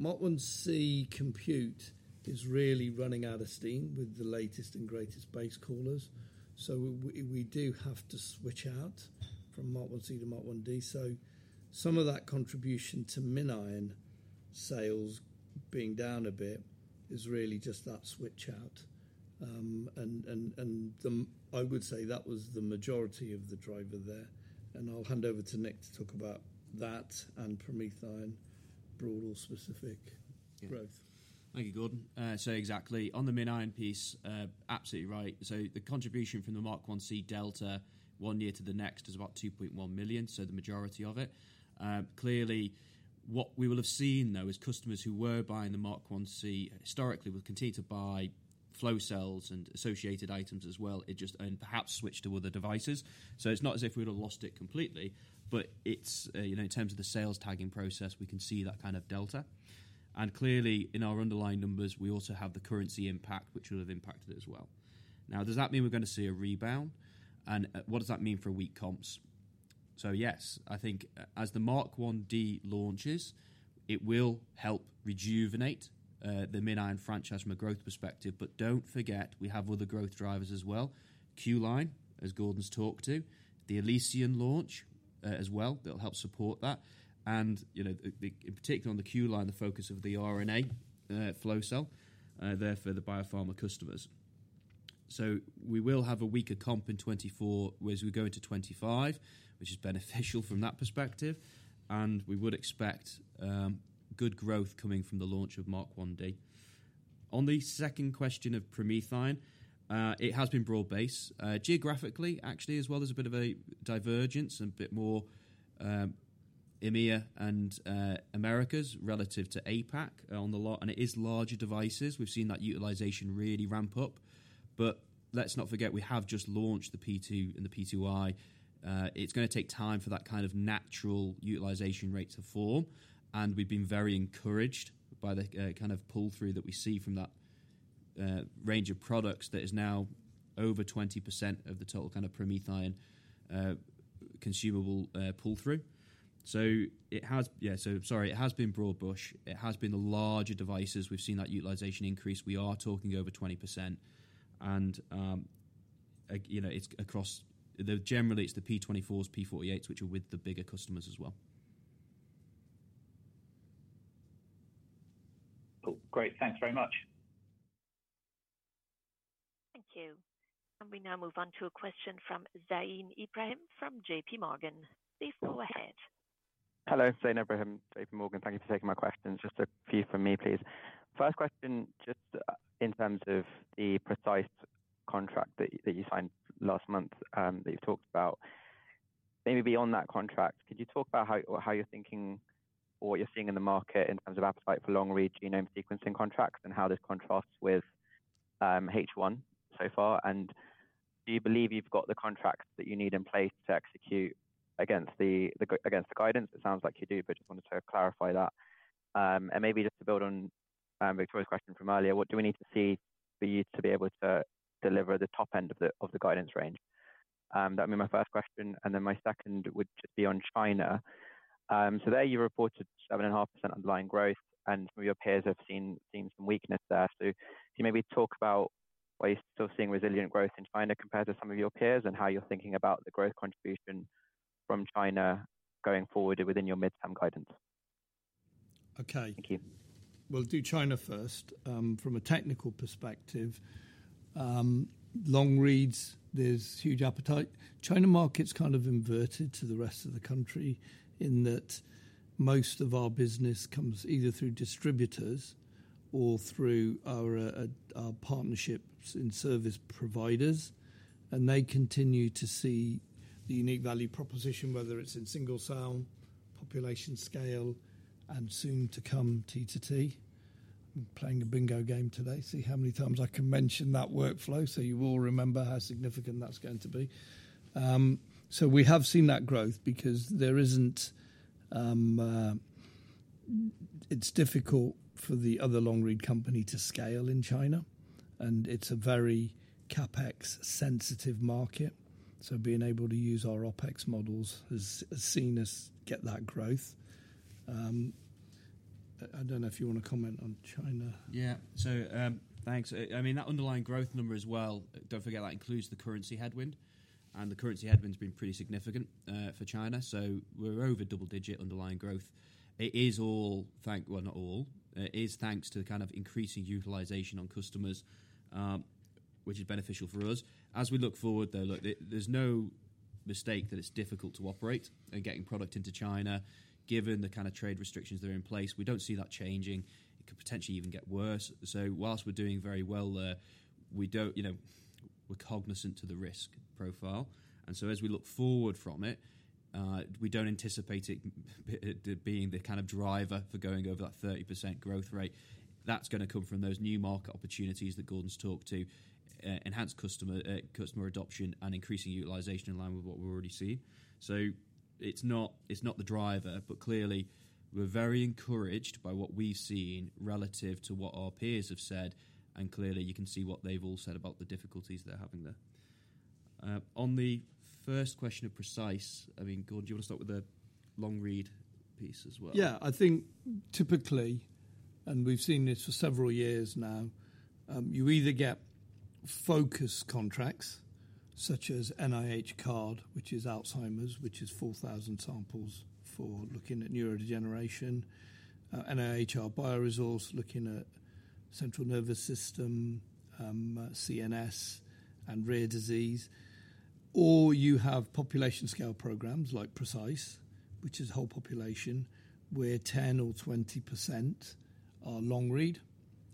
Mk1C compute is really running out of steam with the latest and greatest base callers, so we do have to switch out from Mk1C to Mk1 D. So some of that contribution to MinION sales being down a bit is really just that switch out. I would say that was the majority of the driver there, and I'll hand over to Nick to talk about that and PromethION broad or specific growth.
Thank you, Gordon. So exactly, on the MinION piece, absolutely right. So the contribution from the Mk1C, one year to the next, is about 2.1 million, so the majority of it. Clearly, what we will have seen, though, is customers who were buying the Mk1C historically, will continue to buy flow cells and associated items as well, it just and perhaps switch to other devices. So it's not as if we'd have lost it completely, but it's, you know, in terms of the sales tagging process, we can see that kind of delta. And clearly, in our underlying numbers, we also have the currency impact, which would have impacted it as well. Now, does that mean we're going to see a rebound? And, what does that mean for weak comps? So, yes, I think as the Mk1D launches, it will help rejuvenate the MinION franchise from a growth perspective. But do not forget, we have other growth drivers as well. Q-Line, as Gordon's talked to, the Elysion launch, as well, that will help support that. And, you know, the in particular, on the Q-Line, the focus of the RNA flow cell there for the biopharma customers. So we will have a weaker comp in 2024 as we go into 2025, which is beneficial from that perspective, and we would expect good growth coming from the launch of Mk1D. On the second question of PromethION, it has been broad-based, geographically, actually, as well as a bit of a divergence and a bit more, EMEA and, Americas relative to APAC on the low and it is larger devices. We've seen that utilization really ramp up. But let's not forget, we have just launched the P2 and the P2i. It's gonna take time for that kind of natural utilization rate to form, and we've been very encouraged by the kind of pull-through that we see from that range of products that is now over 20% of the total kind of PromethION consumable pull-through. So it has been broad-brush. It has been the larger devices. We've seen that utilization increase. We are talking over 20%. And, you know, it's across... Though generally, it's the P24s, P48s, which are with the bigger customers as well.
Cool. Great, thanks very much.
Thank you. We now move on to a question from Zain Ibrahim from J.P. Morgan. Please go ahead.
Hello, Zain Ibrahim, J.P. Morgan. Thank you for taking my questions. Just a few from me, please. First question, just, in terms of the PRECISE contract that you signed last month, that you've talked about. Maybe beyond that contract, could you talk about how you're thinking or what you're seeing in the market in terms of appetite for long-read genome sequencing contracts, and how this contrasts with H1 so far? And do you believe you've got the contracts that you need in place to execute against the guidance? It sounds like you do, but just wanted to clarify that. And maybe just to build on Veronika's question from earlier, what do we need to see for you to be able to deliver the top end of the guidance range? That would be my first question, and then my second would just be on China. So there you reported 7.5% underlying growth, and some of your peers have seen some weakness there. So can you maybe talk about why you're still seeing resilient growth in China compared to some of your peers, and how you're thinking about the growth contribution from China going forward within your midterm guidance?
Okay.
Thank you.
We'll do China first. From a technical perspective, long reads, there's huge appetite. China's market is kind of inverted to the rest of the country in that most of our business comes either through distributors or through our partnerships in service providers, and they continue to see the unique value proposition, whether it's in single cell, population scale, and soon to come, T2T. I'm playing a bingo game today, see how many times I can mention that workflow, so you all remember how significant that's going to be. So we have seen that growth because there isn't. It's difficult for the other long-read company to scale in China, and it's a very CapEx-sensitive market, so being able to use our OpEx models has seen us get that growth. I don't know if you want to comment on China.
Yeah. So, thanks. I mean, that underlying growth number as well, don't forget that includes the currency headwind, and the currency headwind's been pretty significant, for China. So we're over double-digit underlying growth. It is all, well, not all. It is thanks to the kind of increasing utilization on customers, which is beneficial for us. As we look forward, though, there's no mistake that it's difficult to operate in getting product into China, given the kind of trade restrictions that are in place. We don't see that changing. It could potentially even get worse. So while we're doing very well there, we don't, you know, we're cognizant to the risk profile, and so as we look forward from it, we don't anticipate it being the kind of driver for going over that 30% growth rate. That's gonna come from those new market opportunities that Gordon's talked to, enhance customer adoption and increasing utilization in line with what we already see. So it's not, it's not the driver, but clearly we're very encouraged by what we've seen relative to what our peers have said, and clearly you can see what they've all said about the difficulties they're having there. On the first question of PRECISE, I mean, Gordon, do you want to start with the long read piece as well?
Yeah. I think typically, and we've seen this for several years now, you either get focus contracts such as NIH card, which is Alzheimer's, which is 4,000 samples for looking at neurodegeneration. NIHR BioResource, looking at central nervous system, CNS and rare disease, or you have population scale programs like PRECISE, which is whole population, where 10%-20% are long-read,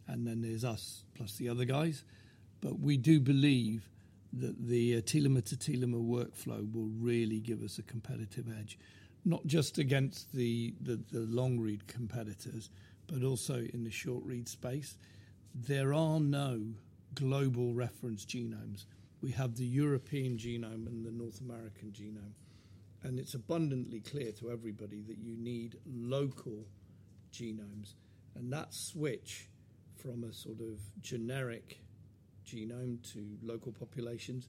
and then there's us plus the other guys. But we do believe that the telomere-to-telomere workflow will really give us a competitive edge, not just against the long-read competitors, but also in the short-read space. There are no global reference genomes. We have the European genome and the North American genome, and it's abundantly clear to everybody that you need local genomes. That switch from a sort of generic genome to local populations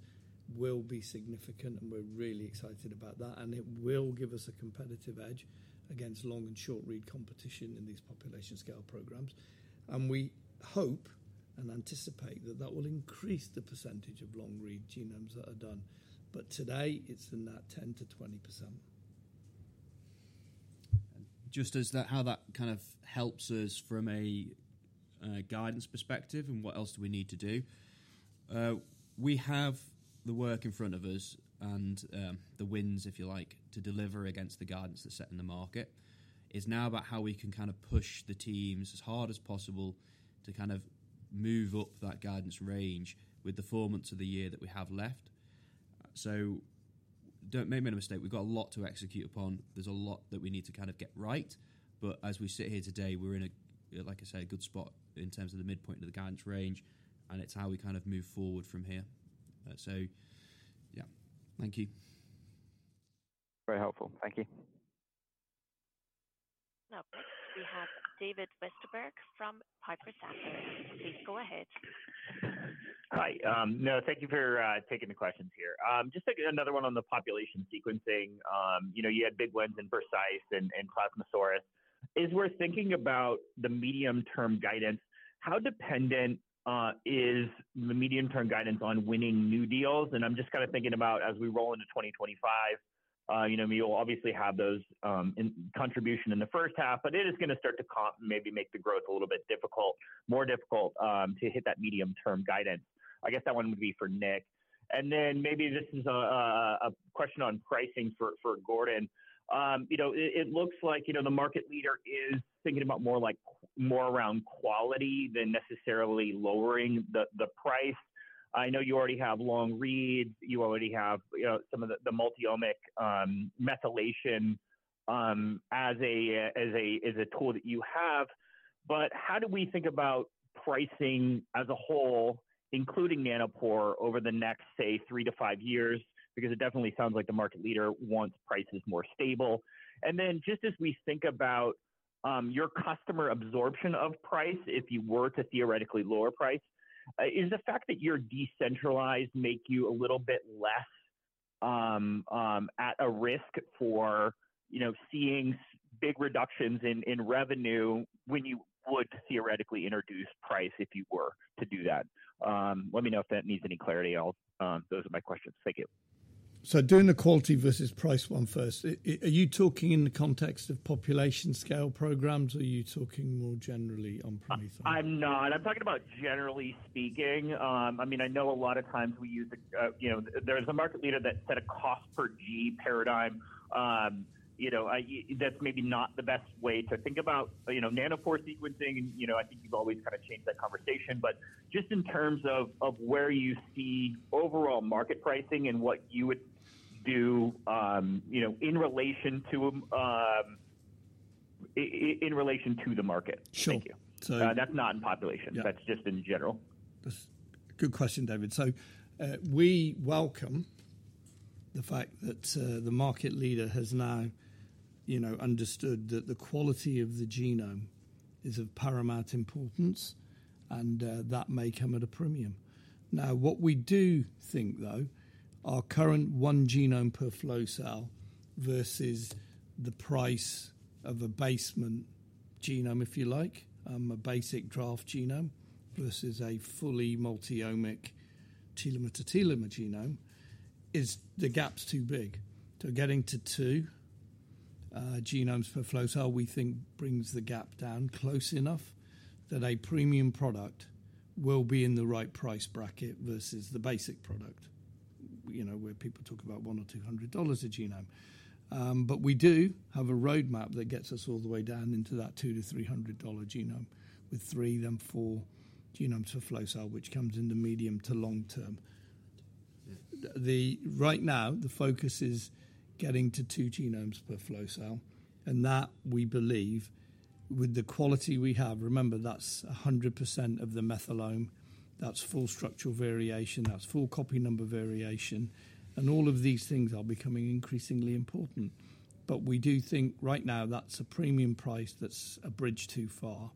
will be significant, and we're really excited about that, and it will give us a competitive edge against long and short-read competition in these population scale programs. We hope and anticipate that that will increase the percentage of long-read genomes that are done. Today it's in that 10%-20%.
Just as that, how that kind of helps us from a guidance perspective, and what else do we need to do? We have the work in front of us and the wins, if you like, to deliver against the guidance that's set in the market. It's now about how we can kind of push the teams as hard as possible to kind of move up that guidance range with the four months of the year that we have left. So don't make me no mistake, we've got a lot to execute upon. There's a lot that we need to kind of get right, but as we sit here today, we're in a, like I said, a good spot in terms of the midpoint of the guidance range, and it's how we kind of move forward from here. So yeah. Thank you.
Very helpful. Thank you....
We have David Westerberg from Piper Sandler. Please go ahead.
Hi. No, thank you for taking the questions here. Just taking another one on the population sequencing. You know, you had big wins in PRECISE and Plasmidsaurus. As we're thinking about the medium-term guidance, how dependent is the medium-term guidance on winning new deals? And I'm just kind of thinking about as we roll into2025, you know, you'll obviously have those in contribution in the first half, but it is gonna start to maybe make the growth a little bit difficult, more difficult, to hit that medium-term guidance. I guess that one would be for Nick. And then maybe this is a question on pricing for Gordon. You know, it looks like, you know, the market leader is thinking about more like more around quality than necessarily lowering the price. I know you already have long read, you already have, you know, some of the, the multi-omic, methylation, as a tool that you have. But how do we think about pricing as a whole, including Nanopore, over the next, say, 3 years-5 years? Because it definitely sounds like the market leader wants prices more stable. And then just as we think about your customer absorption of price, if you were to theoretically lower price, is the fact that you're decentralized make you a little bit less at a risk for, you know, seeing big reductions in revenue when you would theoretically introduce price, if you were to do that? Let me know if that needs any clarity at all. Those are my questions. Thank you.
Doing the quality versus price one first, are you talking in the context of population scale programs, or are you talking more generally on PromethION?
I'm not. I'm talking about generally speaking. I mean, I know a lot of times we use, you know, there is a market leader that set a cost per G paradigm. You know, I, that's maybe not the best way to think about, you know, Nanopore sequencing, and you know, I think you've always kind of changed that conversation. But just in terms of where you see overall market pricing and what you would do, you know, in relation to the market.
Sure.
Thank you.
So-
That's not in population.
Yeah.
That's just in general.
That's a good question, David. So, we welcome the fact that, the market leader has now, you know, understood that the quality of the genome is of paramount importance, and, that may come at a premium. Now, what we do think, though, our current one genome per flow cell versus the price of a base genome, if you like, a basic draft genome versus a fully multi-omic telomere-to-telomere genome, is the gap's too big. So getting to two genomes per flow cell, we think, brings the gap down close enough that a premium product will be in the right price bracket versus the basic product, you know, where people talk about $100-$200 a genome. But we do have a roadmap that gets us all the way down into that $200-$300 genome, with three then four genomes per flow cell, which comes in the medium to long term. Then right now, the focus is getting to two genomes per flow cell, and that we believe, with the quality we have, remember, that's 100% of the methylome, that's full structural variation, that's full copy number variation, and all of these things are becoming increasingly important. But we do think right now, that's a premium price that's a bridge too far,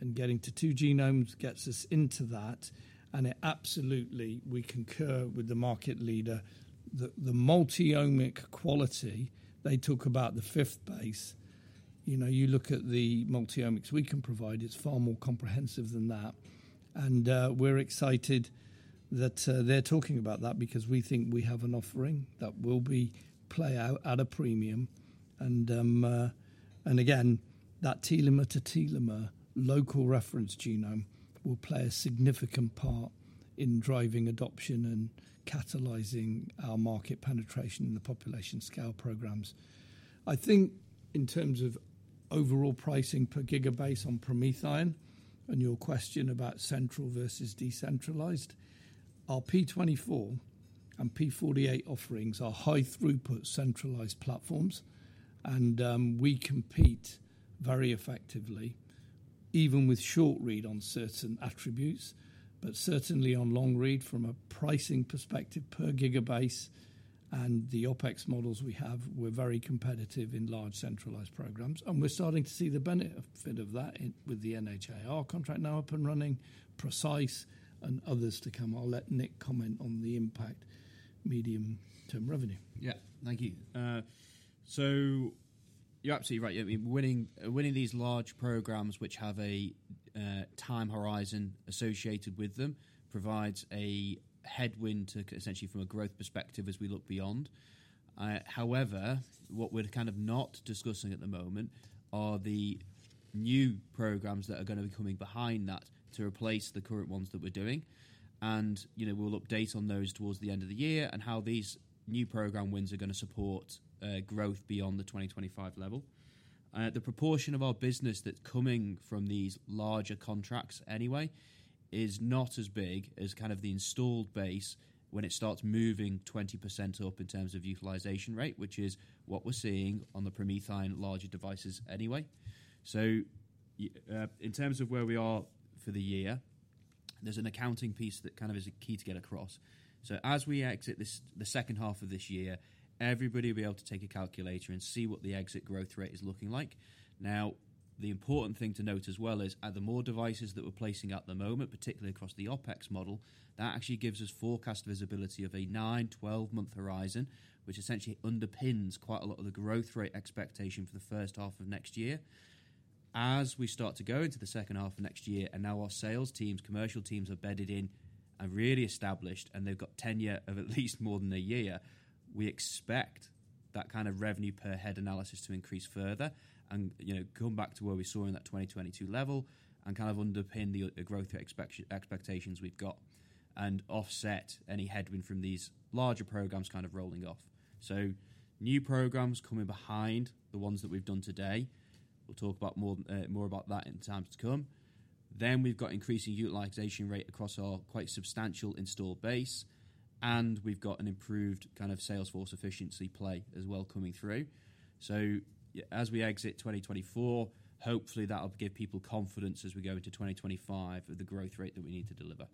and getting to two genomes gets us into that, and it absolutely, we concur with the market leader. The multi-omic quality, they talk about the fifth base. You know, you look at the multi-omics we can provide, it's far more comprehensive than that. We're excited that they're talking about that because we think we have an offering that will play out at a premium. And again, that telomere-to-telomere local reference genome will play a significant part in driving adoption and catalyzing our market penetration in the population scale programs. I think in terms of overall pricing per gigabase on PromethION and your question about central versus decentralize, our P24 and P48 offerings are high-throughput, centralized platforms, and we compete very effectively, even with short read on certain attributes, but certainly on long read from a pricing perspective per gigabase and the OpEx models we have. We're very competitive in large centralized programs. And we're starting to see the benefit of that in with the NIHR contract now up and running, PRECISE and others to come. I'll let Nick comment on the impact, medium-term revenue.
Yeah. Thank you. So you're absolutely right. I mean, winning these large programs which have a time horizon associated with them provides a headwind to, essentially from a growth perspective as we look beyond. However, what we're kind of not discussing at the moment are the new programs that are gonna be coming behind that to replace the current ones that we're doing. And, you know, we'll update on those towards the end of the year and how these new program wins are gonna support growth beyond the 2025 level. The proportion of our business that's coming from these larger contracts anyway is not as big as kind of the installed base when it starts moving 20% up in terms of utilization rate, which is what we're seeing on the PromethION larger devices anyway. In terms of where we are for the year, there's an accounting piece that kind of is key to get across. As we exit this, the second half of this year, everybody will be able to take a calculator and see what the exit growth rate is looking like. Now, the important thing to note as well is the more devices that we're placing at the moment, particularly across the OpEx model, that actually gives us forecast visibility of a 9-12-month horizon, which essentially underpins quite a lot of the growth rate expectation for the first half of next year. As we start to go into the second half of next year, and now our sales teams, commercial teams, are bedded in and really established, and they've got tenure of at least more than a year, we expect that kind of revenue per head analysis to increase further and, you know, come back to where we saw in that 2022 level and kind of underpin the growth expectations we've got, and offset any headwind from these larger programs kind of rolling off, so new programs coming behind the ones that we've done today. We'll talk more about that in times to come, then we've got increasing utilization rate across our quite substantial installed base, and we've got an improved kind of sales force efficiency play as well, coming through. So as we exit 2024, hopefully, that'll give people confidence as we go into 2025 of the growth rate that we need to deliver.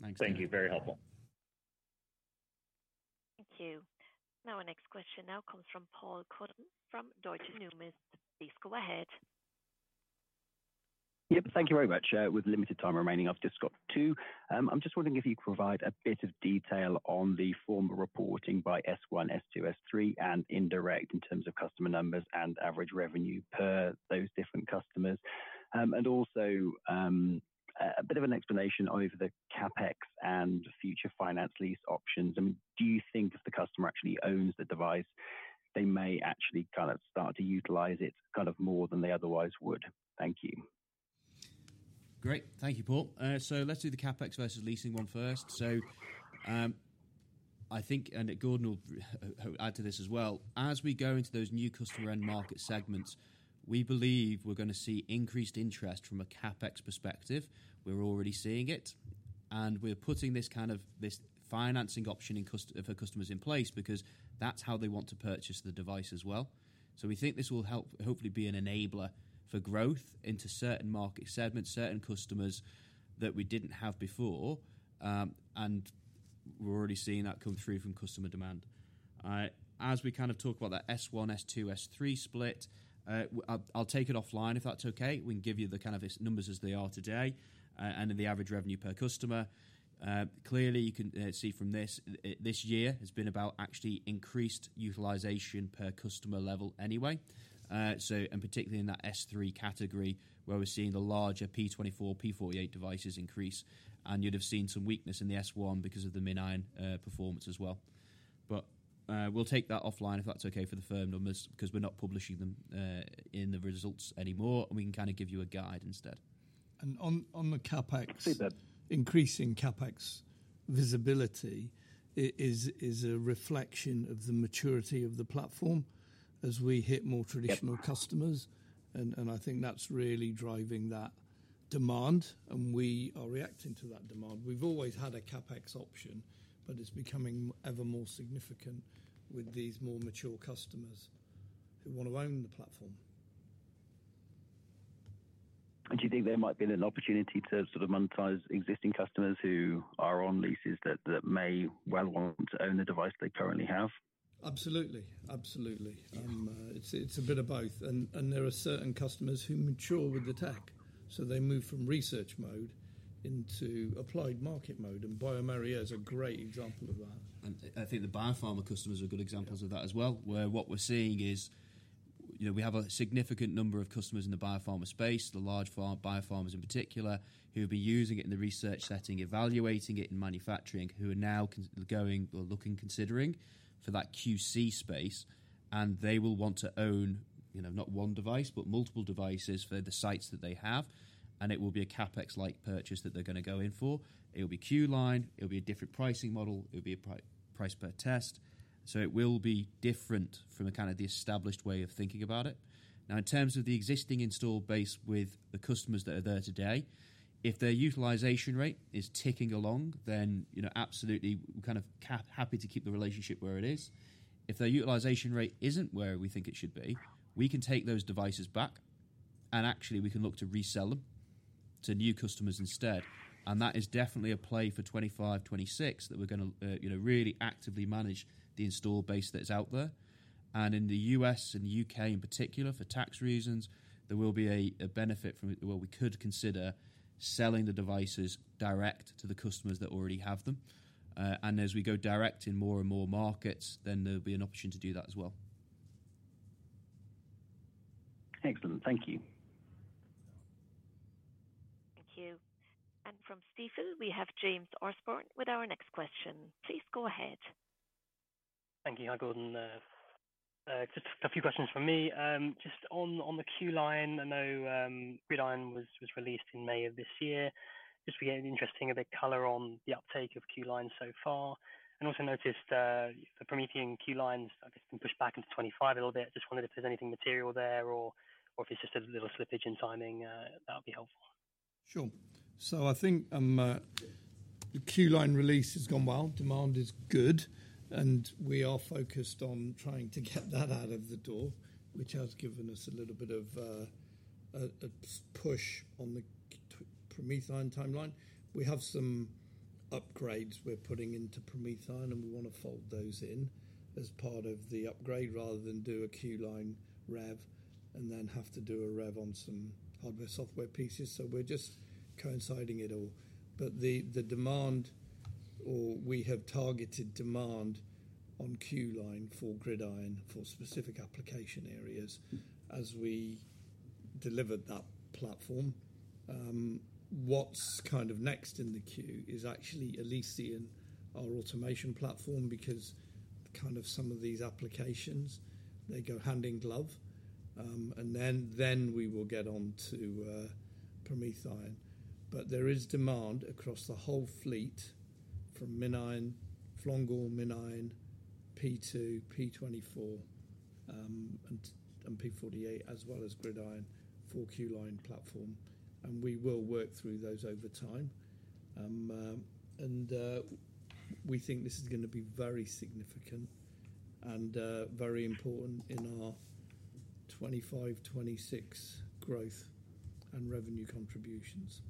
Thanks.
Thank you. Very helpful.
Thank you. Now, our next question now comes from Paul Cuddon from Deutsche Numis. Please go ahead.
Yep, thank you very much. With limited time remaining, I've just got two. I'm just wondering if you could provide a bit of detail on the form of reporting by S1, S2, S3, and indirect in terms of customer numbers and average revenue per those different customers. And also, a bit of an explanation over the CapEx and future finance lease options. I mean, do you think if the customer actually owns the device, they may actually kind of start to utilize it kind of more than they otherwise would? Thank you.
Great. Thank you, Paul. So let's do the CapEx versus leasing one first. So, I think, and Gordon will add to this as well, as we go into those new customer end market segments, we believe we're gonna see increased interest from a CapEx perspective. We're already seeing it, and we're putting this financing option for customers in place because that's how they want to purchase the device as well. So we think this will help, hopefully, be an enabler for growth into certain market segments, certain customers that we didn't have before, and we're already seeing that come through from customer demand. As we kind of talk about that S1, S2, S3 split, I'll take it offline, if that's okay. We can give you the kind of its numbers as they are today, and then the average revenue per customer. Clearly, you can see from this, this year has been about actually increased utilization per customer level anyway. So, and particularly in that S3 category, where we're seeing the larger P 24r, P 48 devices increase, and you'd have seen some weakness in the S1 because of the MinION performance as well. But we'll take that offline, if that's okay, for the firm numbers, 'cause we're not publishing them in the results anymore, and we can kind of give you a guide instead.
And on the CapEx-
I see that.
increasing CapEx visibility is a reflection of the maturity of the platform as we hit more traditional-
Yep...
customers, and I think that's really driving that demand, and we are reacting to that demand. We've always had a CapEx option, but it's becoming ever more significant with these more mature customers who want to own the platform.
Do you think there might be an opportunity to sort of monetize existing customers who are on leases that may well want to own the device they currently have?
Absolutely. Absolutely.
Yeah.
It's a bit of both, and there are certain customers who mature with the tech, so they move from research mode into applied market mode, and bioMérieux is a great example of that.
I think the biopharma customers are good examples of that as well, where what we're seeing is, you know, we have a significant number of customers in the biopharma space, the large biopharmas in particular, who'll be using it in the research setting, evaluating it in manufacturing, who are now going or looking, considering for that QC space, and they will want to own, you know, not one device, but multiple devices for the sites that they have, and it will be a CapEx-like purchase that they're gonna go in for. It'll be Q-Line. It'll be a different pricing model. It'll be a price per test. So it will be different from a kind of the established way of thinking about it. Now, in terms of the existing installed base with the customers that are there today, if their utilization rate is ticking along, then, you know, absolutely, we're kind of happy to keep the relationship where it is. If their utilization rate isn't where we think it should be, we can take those devices back, and actually, we can look to resell them to new customers instead, and that is definitely a play for 2025, 2026, that we're gonna, you know, really actively manage the installed base that is out there, and in the U.S. and the U.K. in particular, for tax reasons, there will be a benefit from it, where we could consider selling the devices direct to the customers that already have them, and as we go direct in more and more markets, then there'll be an opportunity to do that as well.
Excellent. Thank you.
Thank you. And from Stifel, we have James Orsborne with our next question. Please go ahead.
Thank you. Hi, Gordon. Just a few questions from me. Just on the Q-Line, I know GridION was released in May of this year. Just be interesting, a bit color on the uptake of Q -Line so far. And also noticed the PromethION Q-Lines, I guess, been pushed back into 2025 a little bit. Just wondered if there's anything material there or if it's just a little slippage in timing that would be helpful....
Sure. So I think the Q-Line release has gone well. Demand is good, and we are focused on trying to get that out of the door, which has given us a little bit of a push on the PromethION timeline. We have some upgrades we're putting into PromethION, and we wanna fold those in as part of the upgrade, rather than do a Q-Line rev, and then have to do a rev on some hardware/software pieces. So we're just coinciding it all. But the demand, we have targeted demand on Q-Line for GridION for specific application areas as we delivered that platform. What's kind of next in the queue is actually ElysION, our automation platform, because kind of some of these applications, they go hand in glove. And then we will get on to PromethION. But there is demand across the whole fleet, from MinION, Flongle, P2, P24, and P48, as well as GridION for Q-Line platform, and we will work through those over time. And we think this is gonna be very significant and very important in our 2025, 2026 growth and revenue contributions.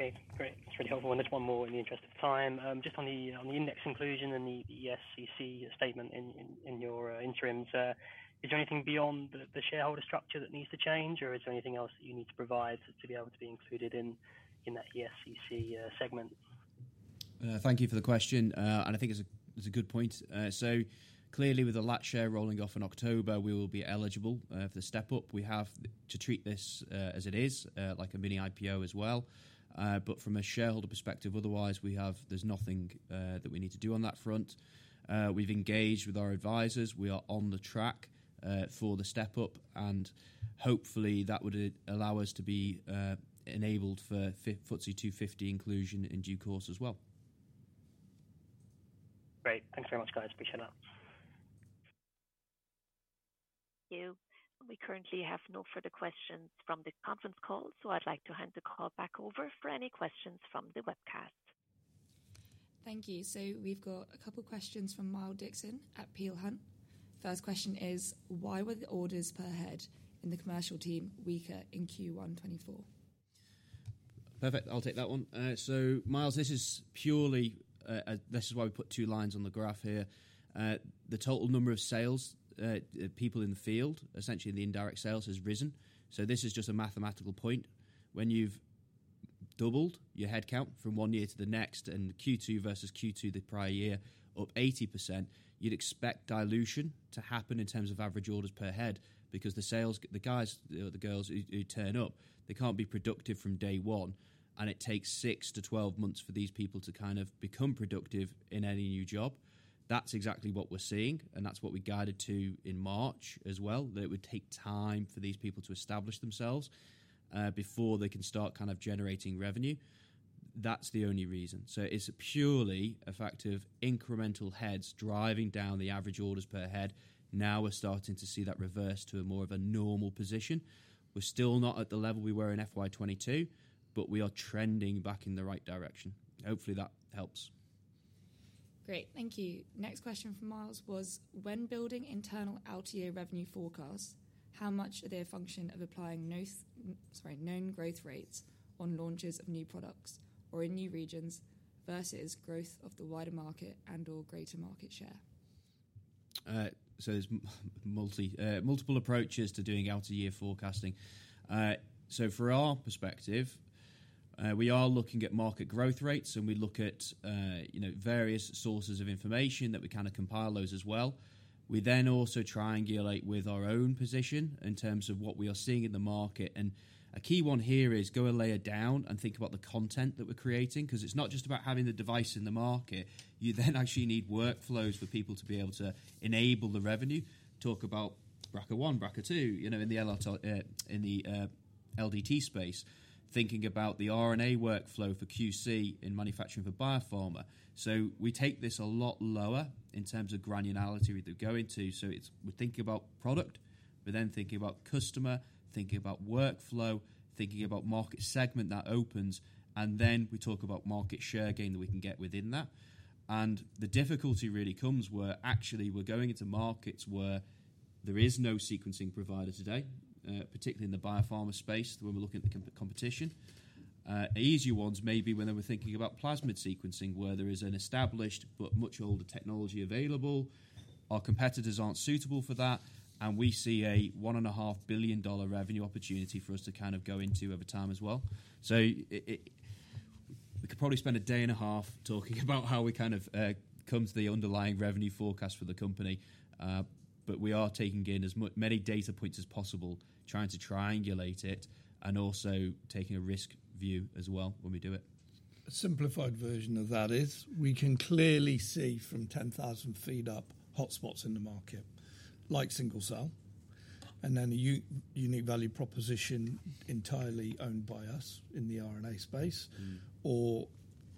Okay, great. That's really helpful. And just one more in the interest of time. Just on the index inclusion and the ESG statement in your interims, is there anything beyond the shareholder structure that needs to change, or is there anything else that you need to provide to be able to be included in that ESG segment?
Thank you for the question. And I think it's a good point. So clearly, with the lock-up share rolling off in October, we will be eligible for the step up. We have to treat this as it is, like a mini IPO as well. But from a shareholder perspective, otherwise, we have, there's nothing that we need to do on that front. We've engaged with our advisors. We are on track for the step up, and hopefully, that would allow us to be enabled for FTSE 250 inclusion in due course as well.
Great. Thanks very much, guys. Appreciate that.
Thank you. We currently have no further questions from the conference call, so I'd like to hand the call back over for any questions from the webcast. Thank you. So we've got a couple questions from Miles Dixon at Peel Hunt. First question is: Why were the orders per head in the commercial team weaker in Q1 2024?
Perfect. I'll take that one. So Miles, this is purely. This is why we put two lines on the graph here. The total number of sales people in the field, essentially, in the indirect sales, has risen. So this is just a mathematical point. When you've doubled your headcount from one year to the next, and Q2 versus Q2 the prior year, up 80%, you'd expect dilution to happen in terms of average orders per head, because the sales guys or the girls who turn up, they can't be productive from day one, and it takes 6months-12 months for these people to kind of become productive in any new job. That's exactly what we're seeing, and that's what we guided to in March as well, that it would take time for these people to establish themselves before they can start kind of generating revenue. That's the only reason, so it's purely a fact of incremental heads driving down the average orders per head. Now we're starting to see that reverse to a more of a normal position. We're still not at the level we were in FY 2022, but we are trending back in the right direction. Hopefully, that helps.
Great. Thank you. Next question from Miles was: When building internal out-year revenue forecasts, how much are they a function of applying known growth rates on launches of new products or in new regions versus growth of the wider market and/or greater market share?
So there's multi, multiple approaches to doing out-of-year forecasting. So from our perspective, we are looking at market growth rates, and we look at, you know, various sources of information, that we kind of compile those as well. We then also triangulate with our own position in terms of what we are seeing in the market. And a key one here is go a layer down and think about the content that we're creating, 'cause it's not just about having the device in the market, you then actually need workflows for people to be able to enable the revenue. Talk about BRCA1, BRCA2, you know, in the LDT space, thinking about the RNA workflow for QC in manufacturing for biopharma. So we take this a lot lower in terms of granularity we do go into, so it's we're thinking about product, we're then thinking about customer, thinking about workflow, thinking about market segment that opens, and then we talk about market share gain that we can get within that. The difficulty really comes where actually we're going into markets where there is no sequencing provider today, particularly in the biopharma space, when we're looking at the competition. Easier ones may be when they were thinking about plasmid sequencing, where there is an established but much older technology available. Our competitors aren't suitable for that, and we see a $1.5 billion revenue opportunity for us to kind of go into over time as well. So we could probably spend a day and a half talking about how we kind of come to the underlying revenue forecast for the company. But we are taking in as many data points as possible, trying to triangulate it, and also taking a risk view as well when we do it.
A simplified version of that is, we can clearly see from 10,000 ft up, hotspots in the market, like single cell, and then a unique value proposition entirely owned by us in the RNA space-
Mm-hmm.
or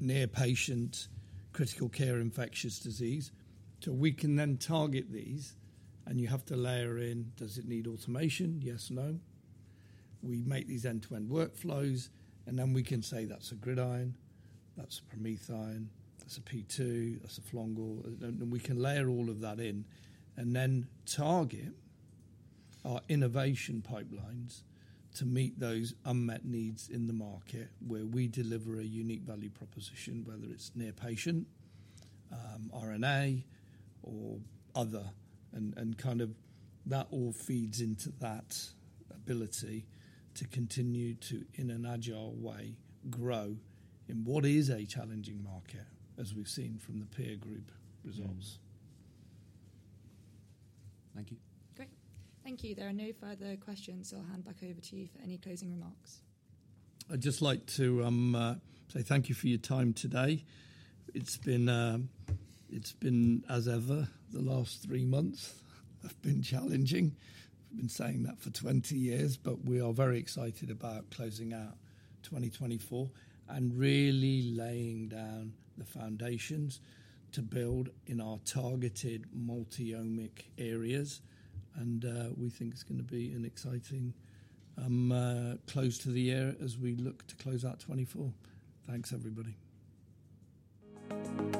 near-patient, critical care, infectious disease. So we can then target these, and you have to layer in: Does it need automation? Yes or no. We make these end-to-end workflows, and then we can say, that's a GridION, that's a PromethION, that's a P2, that's a Flongle. And we can layer all of that in, and then target our innovation pipelines to meet those unmet needs in the market, where we deliver a unique value proposition, whether it's near-patient, RNA, or other. And kind of that all feeds into that ability to continue to, in an agile way, grow in what is a challenging market, as we've seen from the peer group results.
Thank you.
Great. Thank you. There are no further questions, so I'll hand back over to you for any closing remarks.
I'd just like to say thank you for your time today. It's been, as ever, the last three months have been challenging. We've been saying that for 20 years, but we are very excited about closing out 2024 and really laying down the foundations to build in our targeted multi-omic areas, and we think it's gonna be an exciting close to the year as we look to close out 2024. Thanks, everybody.